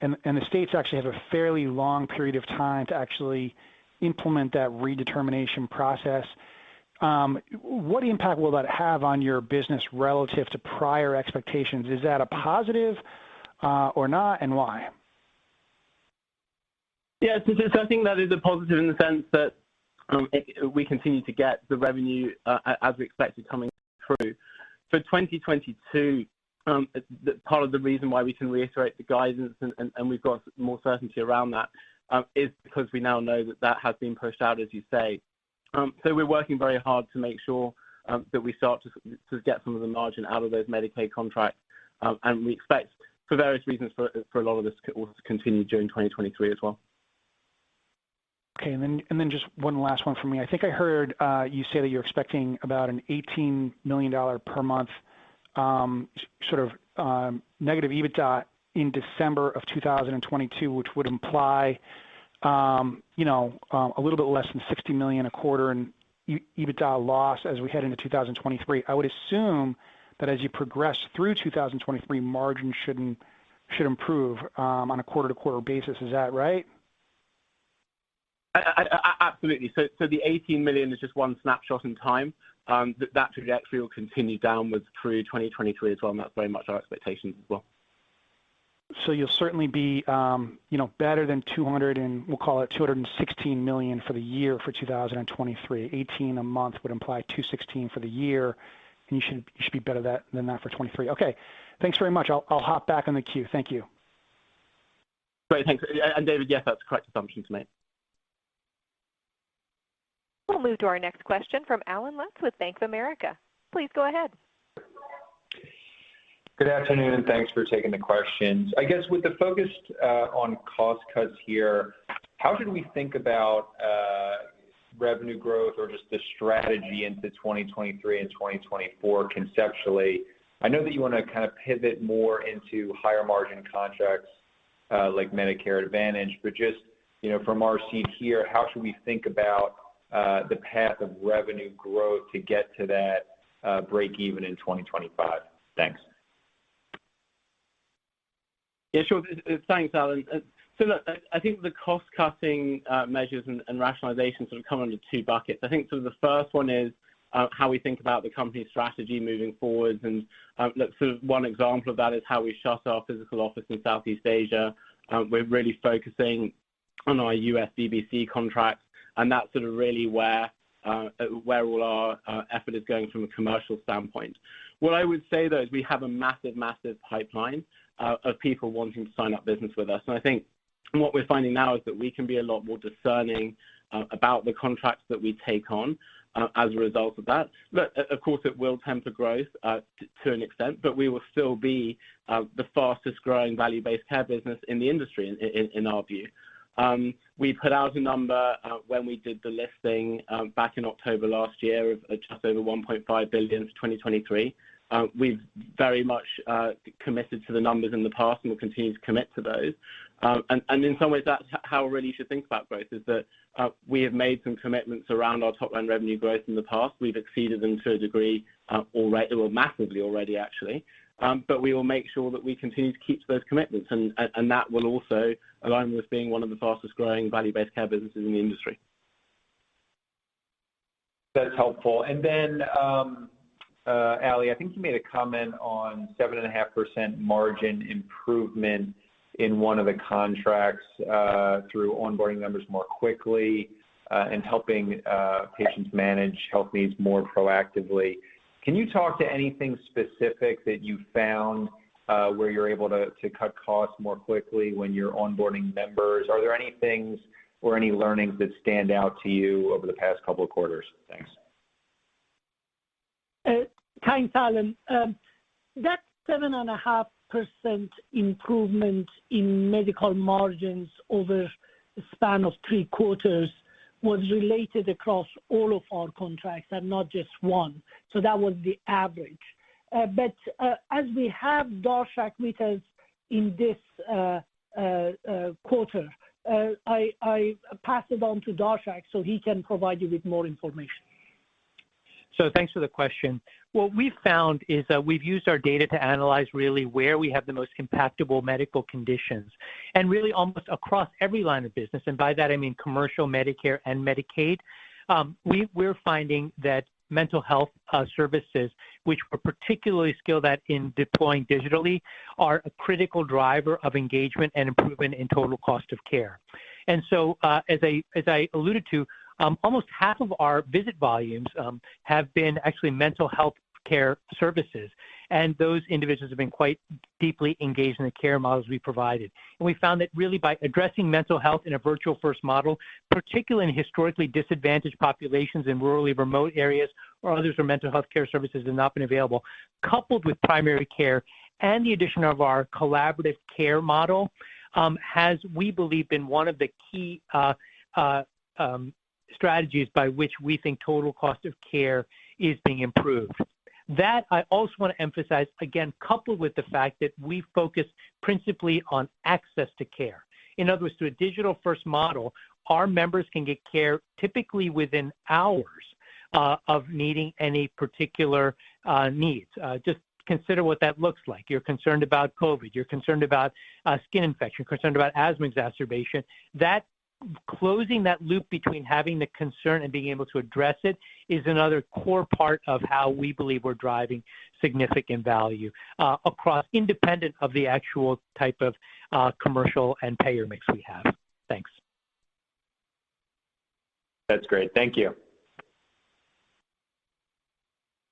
and the states actually have a fairly long period of time to actually implement that redetermination process. What impact will that have on your business relative to prior expectations? Is that a positive, or not, and why? Yeah. I think that is a positive in the sense that we continue to get the revenue as we expected, coming through. For 2022, it's the part of the reason why we can reiterate the guidance and we've got more certainty around that is because we now know that that has been pushed out, as you say. We're working very hard to make sure that we start to get some of the margin out of those Medicaid contracts and we expect for various reasons for a lot of this tailwind to continue during 2023 as well. Okay. Just one last one for me. I think I heard you say that you're expecting about $18 million per month sort of negative EBITDA in December of 2022, which would imply a little bit less than $60 million a quarter in EBITDA loss as we head into 2023. I would assume that as you progress through 2023, margins should improve on a quarter-to-quarter basis. Is that right? Absolutely. The $18 million is just one snapshot in time. That trajectory will continue downwards through 2023 as well, and that's very much our expectation as well. You'll certainly be better than $200 million and we'll call it $216 million for the year for 2023. $18 million a month would imply $216 million for the year, and you should be better than that for 2023. Okay. Thanks very much. I'll hop back on the queue. Thank you. Great. Thanks. David, yeah, that's the correct assumption to make. We'll move to our next question from Allen Lutz with Bank of America. Please go ahead. Good afternoon, and thanks for taking the questions. I guess with the focus on cost cuts here, how should we think about revenue growth or just the strategy into 2023 and 2024 conceptually? I know that you wanna kind of pivot more into higher margin contracts like Medicare Advantage, but just, you know, from our seat here, how should we think about the path of revenue growth to get to that break even in 2025? Thanks. Yeah, sure. Thanks, Allen Lutz. Look, I think the cost-cutting measures and rationalization sort of come under two buckets. I think sort of the first one is how we think about the company's strategy moving forward. Look, sort of one example of that is how we shut our physical office in Southeast Asia. We're really focusing on our U.S. VBC contracts, and that's sort of really where all our effort is going from a commercial standpoint. What I would say, though, is we have a massive pipeline of people wanting to sign up business with us. I think what we're finding now is that we can be a lot more discerning about the contracts that we take on as a result of that. Look, of course, it will temper growth to an extent, but we will still be the fastest growing Value-Based Care business in the industry in our view. We put out a number when we did the listing back in October last year of just over $1.5 billion for 2023. We've very much committed to the numbers in the past and will continue to commit to those. In some ways, that's how we really should think about growth, is that we have made some commitments around our top line revenue growth in the past. We've exceeded them to a degree already or massively already, actually. We will make sure that we continue to keep to those commitments, and that will also align with being one of the fastest growing Value-Based Care businesses in the industry. That's helpful. Then, Ali, I think you made a comment on 7.5% margin improvement in one of the contracts, through onboarding members more quickly, and helping patients manage health needs more proactively. Can you talk to anything specific that you found, where you're able to cut costs more quickly when you're onboarding members? Are there any things or any learnings that stand out to you over the past couple of quarters? Thanks. Thanks, Allen. That 7.5% improvement in medical margins over the span of three quarters was realized across all of our contracts and not just one. That was the average. As we have Darshak with us In this quarter, I pass it on to Darshak so he can provide you with more information. Thanks for the question. What we found is that we've used our data to analyze really where we have the most impactful medical conditions and really almost across every line of business, and by that I mean commercial, Medicare and Medicaid. We're finding that mental health services, which we're particularly skilled at in deploying digitally, are a critical driver of engagement and improvement in total cost of care. As I alluded to, almost half of our visit volumes have been actually mental health care services, and those individuals have been quite deeply engaged in the care models we provided. We found that really by addressing mental health in a virtual first model, particularly in historically disadvantaged populations in rurally remote areas or others where mental health care services have not been available, coupled with primary care and the addition of our collaborative care model, has, we believe, been one of the key strategies by which we think total cost of care is being improved. I also want to emphasize again, coupled with the fact that we focus principally on access to care. In other words, through a digital first model, our members can get care typically within hours of needing any particular needs. Just consider what that looks like. You're concerned about COVID. You're concerned about a skin infection. You're concerned about asthma exacerbation. Closing that loop between having the concern and being able to address it is another core part of how we believe we're driving significant value, across, independent of the actual type of commercial and payer mix we have. Thanks. That's great. Thank you.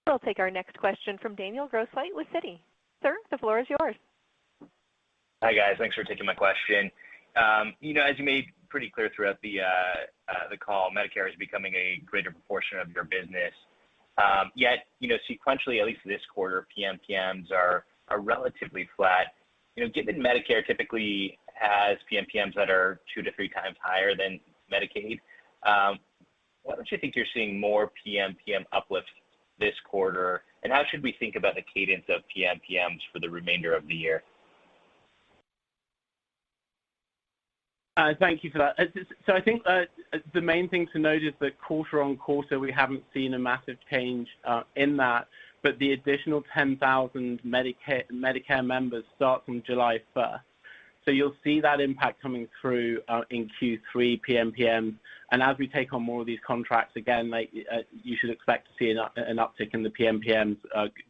We'll take our next question from Daniel Grosslight with Citi. Sir, the floor is yours. Hi, guys. Thanks for taking my question. You know, as you made pretty clear throughout the call, Medicare is becoming a greater proportion of your business. Yet, you know, sequentially, at least this quarter, PMPMs are relatively flat. You know, given Medicare typically has PMPMs that are two to three times higher than Medicaid, why don't you think you're seeing more PMPM uplift this quarter? How should we think about the cadence of PMPMs for the remainder of the year? Thank you for that. I think the main thing to note is that quarter-on-quarter, we haven't seen a massive change in that, but the additional 10,000 Medicare members start from July first. You'll see that impact coming through in Q3 PMPM. As we take on more of these contracts, again, like, you should expect to see an uptick in the PMPMs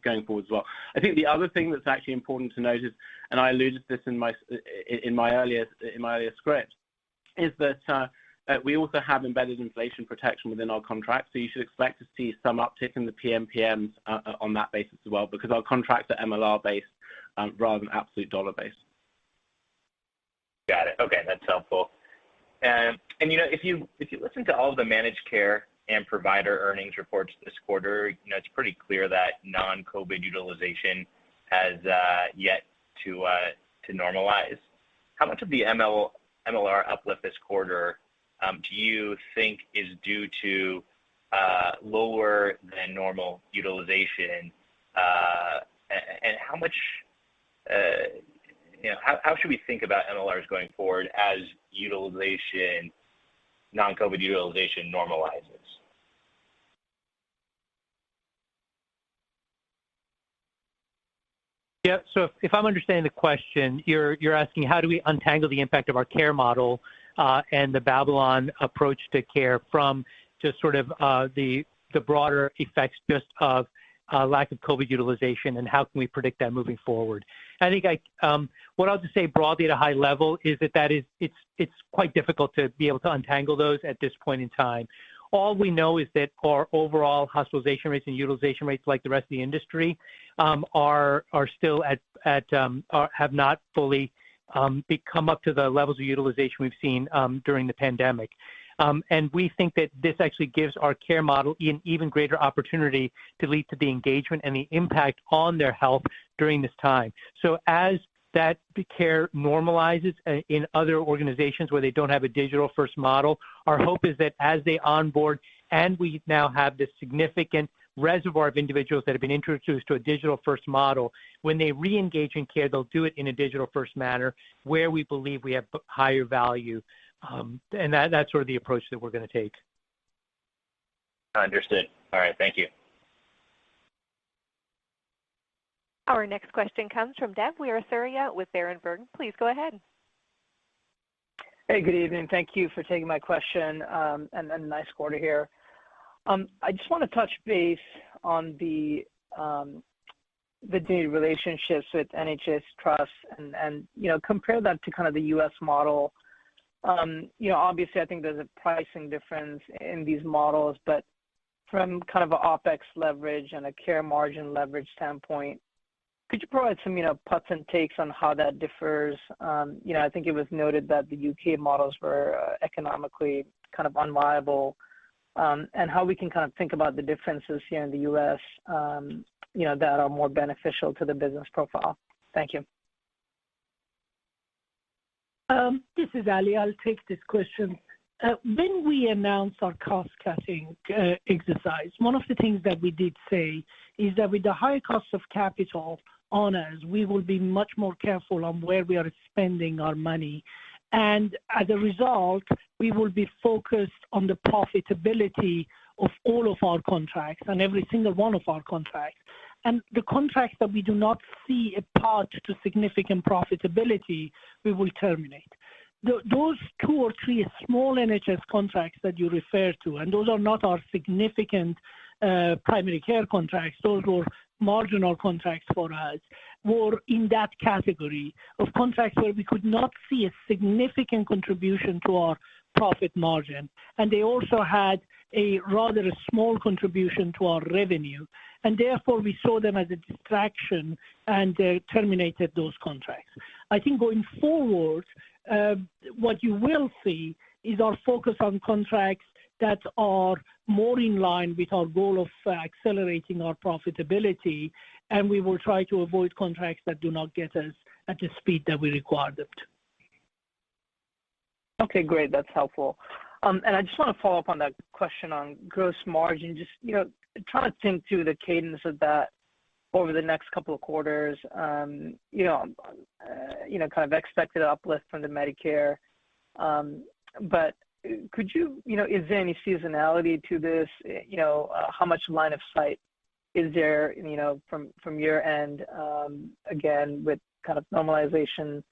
going forward as well. I think the other thing that's actually important to note is I alluded to this in my earlier script, that we also have embedded inflation protection within our contract. You should expect to see some uptick in the PMPMs on that basis as well, because our contracts are MLR-Based rather than absolute Dollar-Based. Got it. Okay, that's helpful. You know, if you listen to all of the managed care and provider earnings reports this quarter, you know, it's pretty clear that non-COVID utilization has yet to normalize. How much of the MLR uplift this quarter do you think is due to lower than normal utilization? And how much, you know, how should we think about MLRs going forward as utilization, non-COVID utilization normalizes? Yeah. If I'm understanding the question, you're asking how do we untangle the impact of our care model, and the Babylon approach to care from just sort of the broader effects just of lack of COVID utilization, and how can we predict that moving forward. I think what I'll just say broadly at a high level is that it is quite difficult to be able to untangle those at this point in time. All we know is that our overall hospitalization rates and utilization rates, like the rest of the industry, are still at or have not fully become up to the levels of utilization we've seen during the pandemic. We think that this actually gives our care model an even greater opportunity to lead to the engagement and the impact on their health during this time. As that care normalizes in other organizations where they don't have a digital first model, our hope is that as they onboard, and we now have this significant reservoir of individuals that have been introduced to a digital first model, when they reengage in care, they'll do it in a digital first manner where we believe we have higher value. That's sort of the approach that we're gonna take. Understood. All right. Thank you. Our next question comes from Dev Weerasuriya with Berenberg. Please go ahead. Hey, good evening. Thank you for taking my question, and a nice quarter here. I just wanna touch base on the new relationships with NHS trusts and, you know, compare that to kind of the U.S. model. You know, obviously, I think there's a pricing difference in these models, but from kind of a OpEx leverage and a care margin leverage standpoint, could you provide some, you know, puts and takes on how that differs? You know, I think it was noted that the U.K. models were economically kind of unviable, and how we can kind of think about the differences here in the U.S., you know, that are more beneficial to the business profile. Thank you. This is Ali. I'll take this question. When we announced our cost-cutting exercise, one of the things that we did say is that with the high cost of capital on us, we will be much more careful on where we are spending our money. As a result, we will be focused on the profitability of all of our contracts, on every single one of our contracts. The contracts that we do not see a path to significant profitability, we will terminate. Those two or three small NHS contracts that you refer to, and those are not our significant primary care contracts, those were marginal contracts for us, were in that category of contracts where we could not see a significant contribution to our profit margin. They also had a rather small contribution to our revenue, and therefore we saw them as a distraction and terminated those contracts. I think going forward, what you will see is our focus on contracts that are more in line with our goal of accelerating our profitability, and we will try to avoid contracts that do not get us at the speed that we require them to. Okay, great. That's helpful. I just want to follow up on that question on gross margin, just, you know, trying to think through the cadence of that over the next couple of quarters, you know, kind of expected uplift from the Medicare. Could you know, is there any seasonality to this? You know, how much line of sight is there, you know, from your end, again, with kind of normalization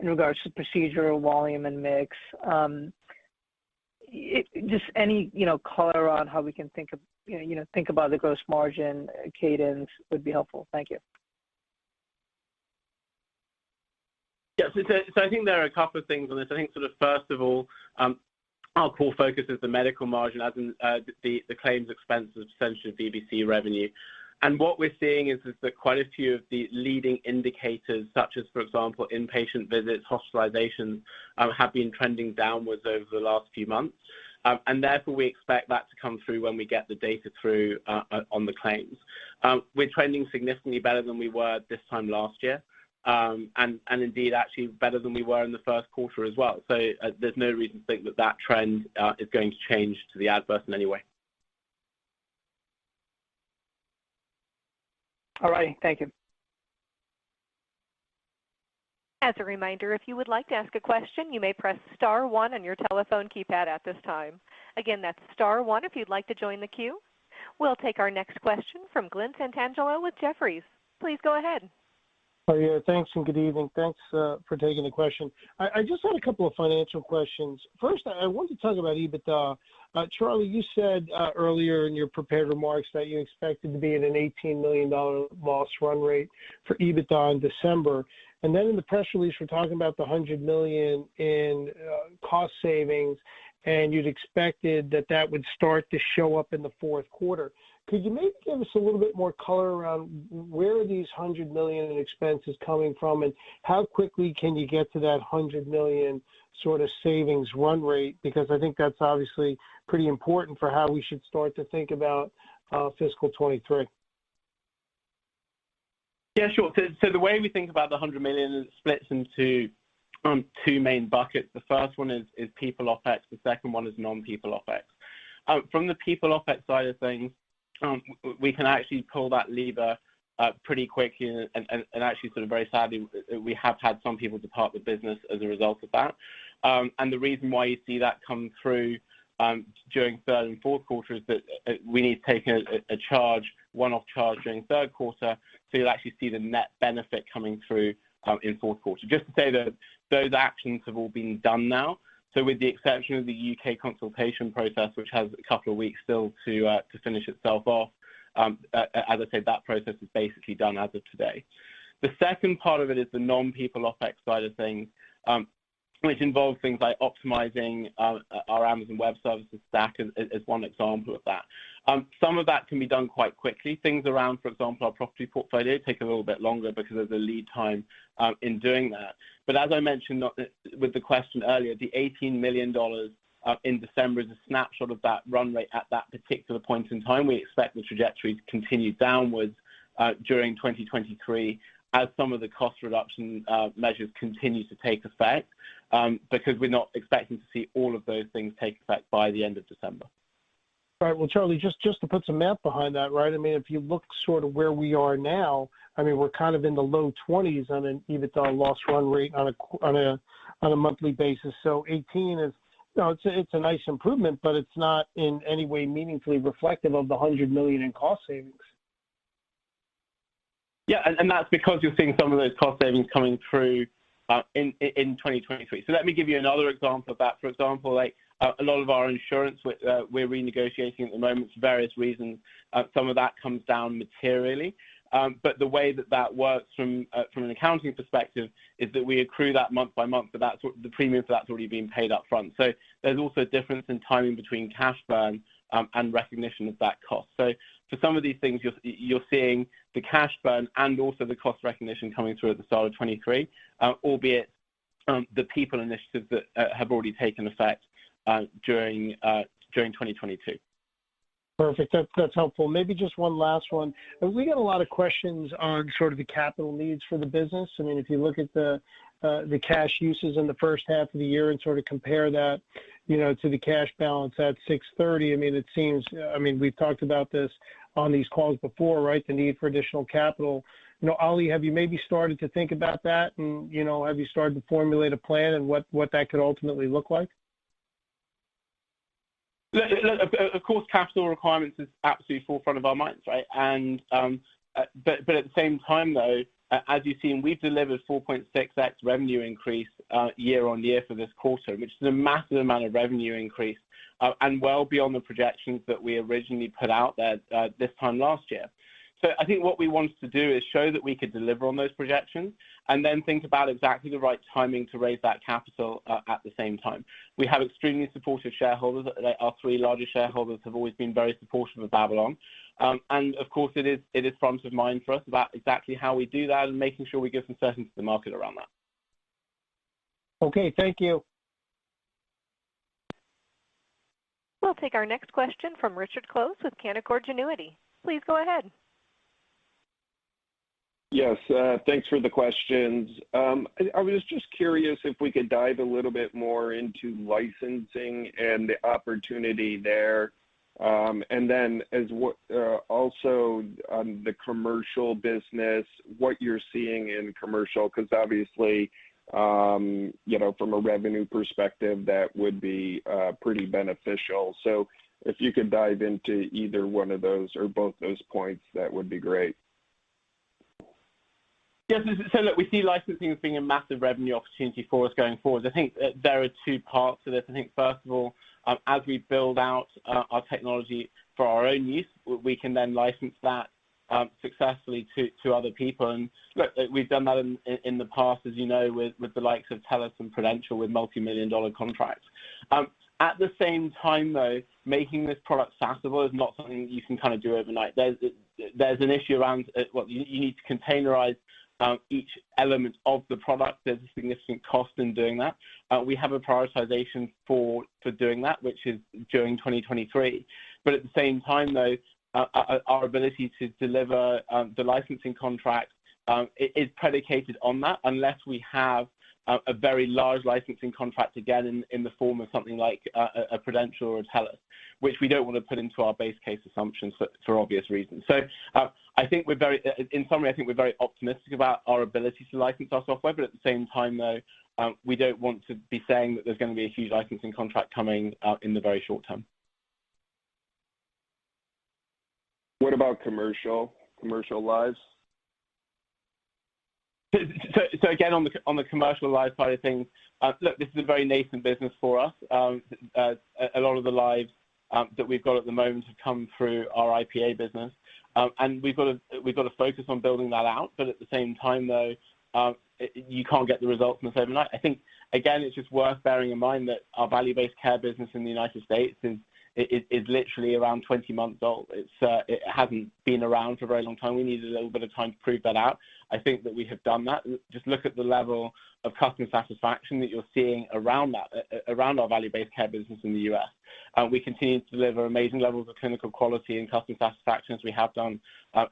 in regards to procedure, volume, and mix? Just any, you know, color on how we can think of, you know, think about the gross margin cadence would be helpful. Thank you. Yes. I think there are a couple of things on this. I think sort of first of all, our core focus is the medical margin, as in, the claims expense of essentially VBC revenue. What we're seeing is that quite a few of the leading indicators, such as, for example, inpatient visits, hospitalizations, have been trending downward over the last few months. Therefore, we expect that to come through when we get the data through on the claims. We're trending significantly better than we were this time last year, and indeed actually better than we were in the first quarter as well. There's no reason to think that trend is going to change to the adverse in any way. All right. Thank you. As a reminder, if you would like to ask a question, you may press star one on your telephone keypad at this time. Again, that's star one if you'd like to join the queue. We'll take our next question from Glen Santangelo with Jefferies. Please go ahead. Oh, yeah. Thanks, and good evening. Thanks for taking the question. I just had a couple of financial questions. First, I want to talk about EBITDA. Charlie, you said earlier in your prepared remarks that you expected to be at a $18 million loss run rate for EBITDA in December. In the press release, you were talking about the $100 million in cost savings, and you'd expected that would start to show up in the fourth quarter. Could you maybe give us a little bit more color around where are these $100 million in expenses coming from, and how quickly can you get to that $100 million sort of savings run rate? Because I think that's obviously pretty important for how we should start to think about fiscal 2023. Yeah, sure. The way we think about the $100 million is it splits into two main buckets. The first one is people OpEx, the second one is non-people OpEx. From the people OpEx side of things, we can actually pull that lever pretty quickly and actually sort of very sadly, we have had some people depart the business as a result of that. The reason why you see that come through during third and fourth quarter is that we need to take a one-off charge during third quarter, so you'll actually see the net benefit coming through in fourth quarter. Just to say that those actions have all been done now. With the exception of the U.K. consultation process, which has a couple of weeks still to finish itself off, as I say, that process is basically done as of today. The second part of it is the non-people OpEx side of things, which involves things like optimizing our Amazon Web Services stack is one example of that. Some of that can be done quite quickly. Things around, for example, our property portfolio take a little bit longer because of the lead time in doing that. But as I mentioned with the question earlier, the $18 million in December is a snapshot of that run rate at that particular point in time. We expect the trajectory to continue downwards during 2023 as some of the cost reduction measures continue to take effect because we're not expecting to see all of those things take effect by the end of December. All right. Well, Charlie, just to put some math behind that, right? I mean, if you look sort of where we are now, I mean, we're kind of in the low 20s on an EBITDA loss run rate on a monthly basis. So $18 million is, you know, it's a nice improvement, but it's not in any way meaningfully reflective of the $100 million in cost savings. Yeah. That's because you're seeing some of those cost savings coming through in 2023. Let me give you another example of that. For example, like, a lot of our insurance, which we're renegotiating at the moment for various reasons, some of that comes down materially. The way that that works from an accounting perspective is that we accrue that month by month, but the premiums for that have already been paid up front. There's also a difference in timing between cash burn and recognition of that cost. For some of these things, you're seeing the cash burn and also the cost recognition coming through at the start of 2023, albeit the people initiatives that have already taken effect during 2022. Perfect. That's helpful. Maybe just one last one. We get a lot of questions on sort of the capital needs for the business. I mean, if you look at the cash uses in the first half of the year and sort of compare that, you know, to the cash balance at six thirty, I mean, it seems. I mean, we've talked about this on these calls before, right? The need for additional capital. You know, Ali, have you maybe started to think about that and, you know, have you started to formulate a plan and what that could ultimately look like? Look, of course, capital requirements is absolutely forefront of our minds, right? But at the same time, though, as you've seen, we've delivered 4.6x revenue increase year-on-year for this quarter, which is a massive amount of revenue increase, and well beyond the projections that we originally put out at this time last year. I think what we wanted to do is show that we could deliver on those projections and then think about exactly the right timing to raise that capital at the same time. We have extremely supportive shareholders. Our three largest shareholders have always been very supportive of Babylon. Of course, it is front of mind for us about exactly how we do that and making sure we give some certainty to the market around that. Okay. Thank you. We'll take our next question from Richard Close with Canaccord Genuity. Please go ahead. Yes. Thanks for the questions. I was just curious if we could dive a little bit more into licensing and the opportunity there. Then also on the commercial business, what you're seeing in commercial, 'cause obviously, you know, from a revenue perspective, that would be pretty beneficial. If you could dive into either one of those or both those points, that would be great. Yes. Look, we see licensing as being a massive revenue opportunity for us going forward. I think there are two parts to this. I think first of all, as we build out our technology for our own use, we can then license that successfully to other people. Look, we've done that in the past, as you know, with the likes of TELUS and Prudential with multimillion-dollar contracts. At the same time, though, making this product SaaSable is not something you can kind of do overnight. There's an issue around you need to containerize each element of the product. There's a significant cost in doing that. We have a prioritization for doing that, which is during 2023. At the same time, though, our ability to deliver the licensing contract is predicated on that, unless we have a very large licensing contract, again, in the form of something like a Prudential or a TELUS, which we don't wanna put into our base case assumptions for obvious reasons. In summary, I think we're very optimistic about our ability to license our software, but at the same time, though, we don't want to be saying that there's gonna be a huge licensing contract coming out in the very short term. What about commercial lives? Again, on the commercial lives side of things, look, this is a very nascent business for us. A lot of the lives that we've got at the moment have come through our IPA business. We've got to focus on building that out. At the same time, though, you can't get the results overnight. I think, again, it's just worth bearing in mind that our Value-Based Care business in the United States is literally around 20 months old. It hasn't been around for a very long time. We needed a little bit of time to prove that out. I think that we have done that. Just look at the level of customer satisfaction that you're seeing around our Value-Based Care business in the U.S. We continue to deliver amazing levels of clinical quality and customer satisfaction as we have done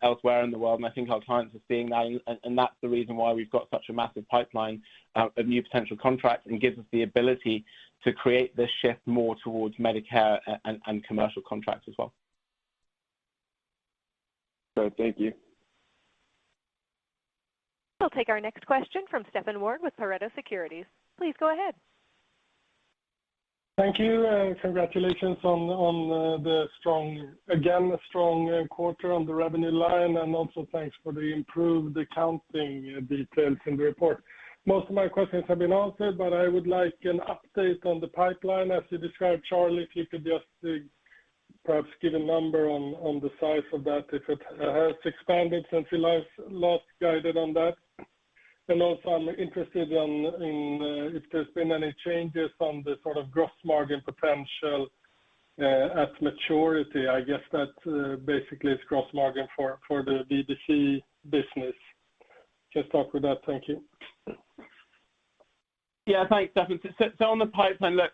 elsewhere in the world. I think our clients are seeing that, and that's the reason why we've got such a massive pipeline of new potential contracts and gives us the ability to create this shift more towards Medicare and commercial contracts as well. Thank you. We'll take our next question from Stefan Wård with Pareto Securities. Please go ahead. Thank you. Congratulations on again a strong quarter on the revenue line, and also thanks for the improved accounting details in the report. Most of my questions have been answered, but I would like an update on the pipeline. As you described, Charlie, if you could just perhaps give a number on the size of that, if it has expanded since we last guided on that. I'm interested in if there's been any changes in the sort of gross margin potential at maturity. I guess that basically is gross margin for the B2C business. Just start with that. Thank you. Yeah. Thanks, Stefan. On the pipeline, look,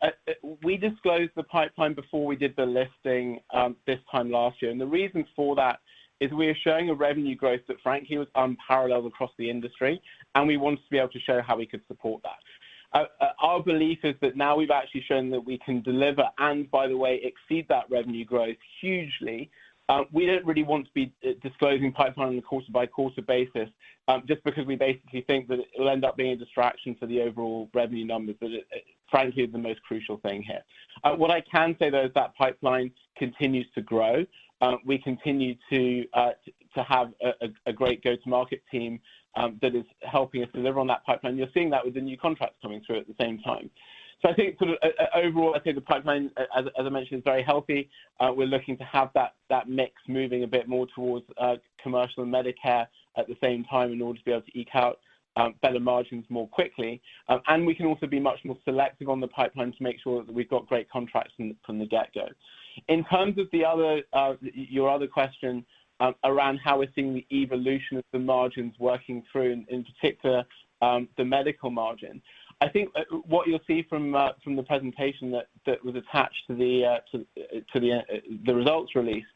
we disclosed the pipeline before we did the listing, this time last year. The reason for that is we are showing a revenue growth that frankly was unparalleled across the industry, and we wanted to be able to show how we could support that. Our belief is that now we've actually shown that we can deliver and, by the way, exceed that revenue growth hugely. We don't really want to be disclosing pipeline on a quarter-by-quarter basis, just because we basically think that it'll end up being a distraction for the overall revenue numbers. It frankly is the most crucial thing here. What I can say, though, is that pipeline continues to grow. We continue to have a great go-to-market team that is helping us deliver on that pipeline. You're seeing that with the new contracts coming through at the same time. I think sort of overall, I think the pipeline, as I mentioned, is very healthy. We're looking to have that mix moving a bit more towards commercial and Medicare at the same time in order to be able to eke out better margins more quickly. We can also be much more selective on the pipeline to make sure that we've got great contracts from the get-go. In terms of your other question around how we're seeing the evolution of the margins working through, in particular, the medical margin. I think what you'll see from the presentation that was attached to the results release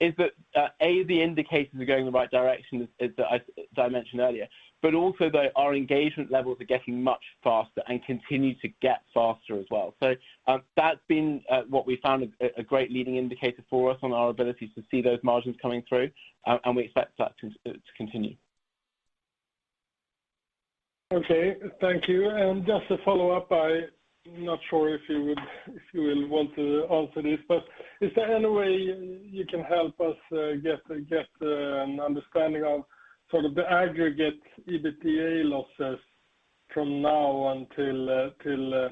is that the indicators are going in the right direction, as I mentioned earlier, but also though our engagement levels are getting much faster and continue to get faster as well. That's been what we found a great leading indicator for us on our ability to see those margins coming through, and we expect that to continue. Okay. Thank you. Just to follow up, I'm not sure if you will want to answer this, but is there any way you can help us get an understanding of sort of the aggregate EBITDA losses from now until till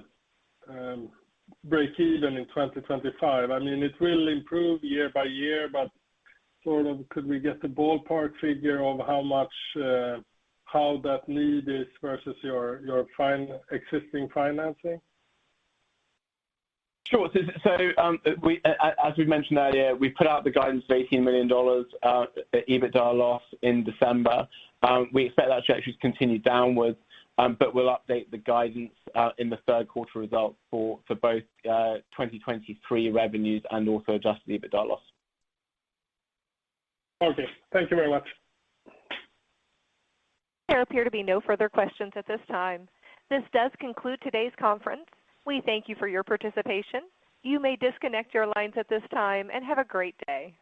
break even in 2025? I mean, it will improve year by year, but sort of could we get the ballpark figure of how much that need is versus your existing financing? Sure. As we've mentioned earlier, we put out the guidance of $18 million EBITDA loss in December. We expect that trajectory to continue downwards, but we'll update the guidance in the third quarter results for both 2023 revenues and also adjusted EBITDA loss. Okay. Thank you very much. There appear to be no further questions at this time. This does conclude today's conference. We thank you for your participation. You may disconnect your lines at this time, and have a great day.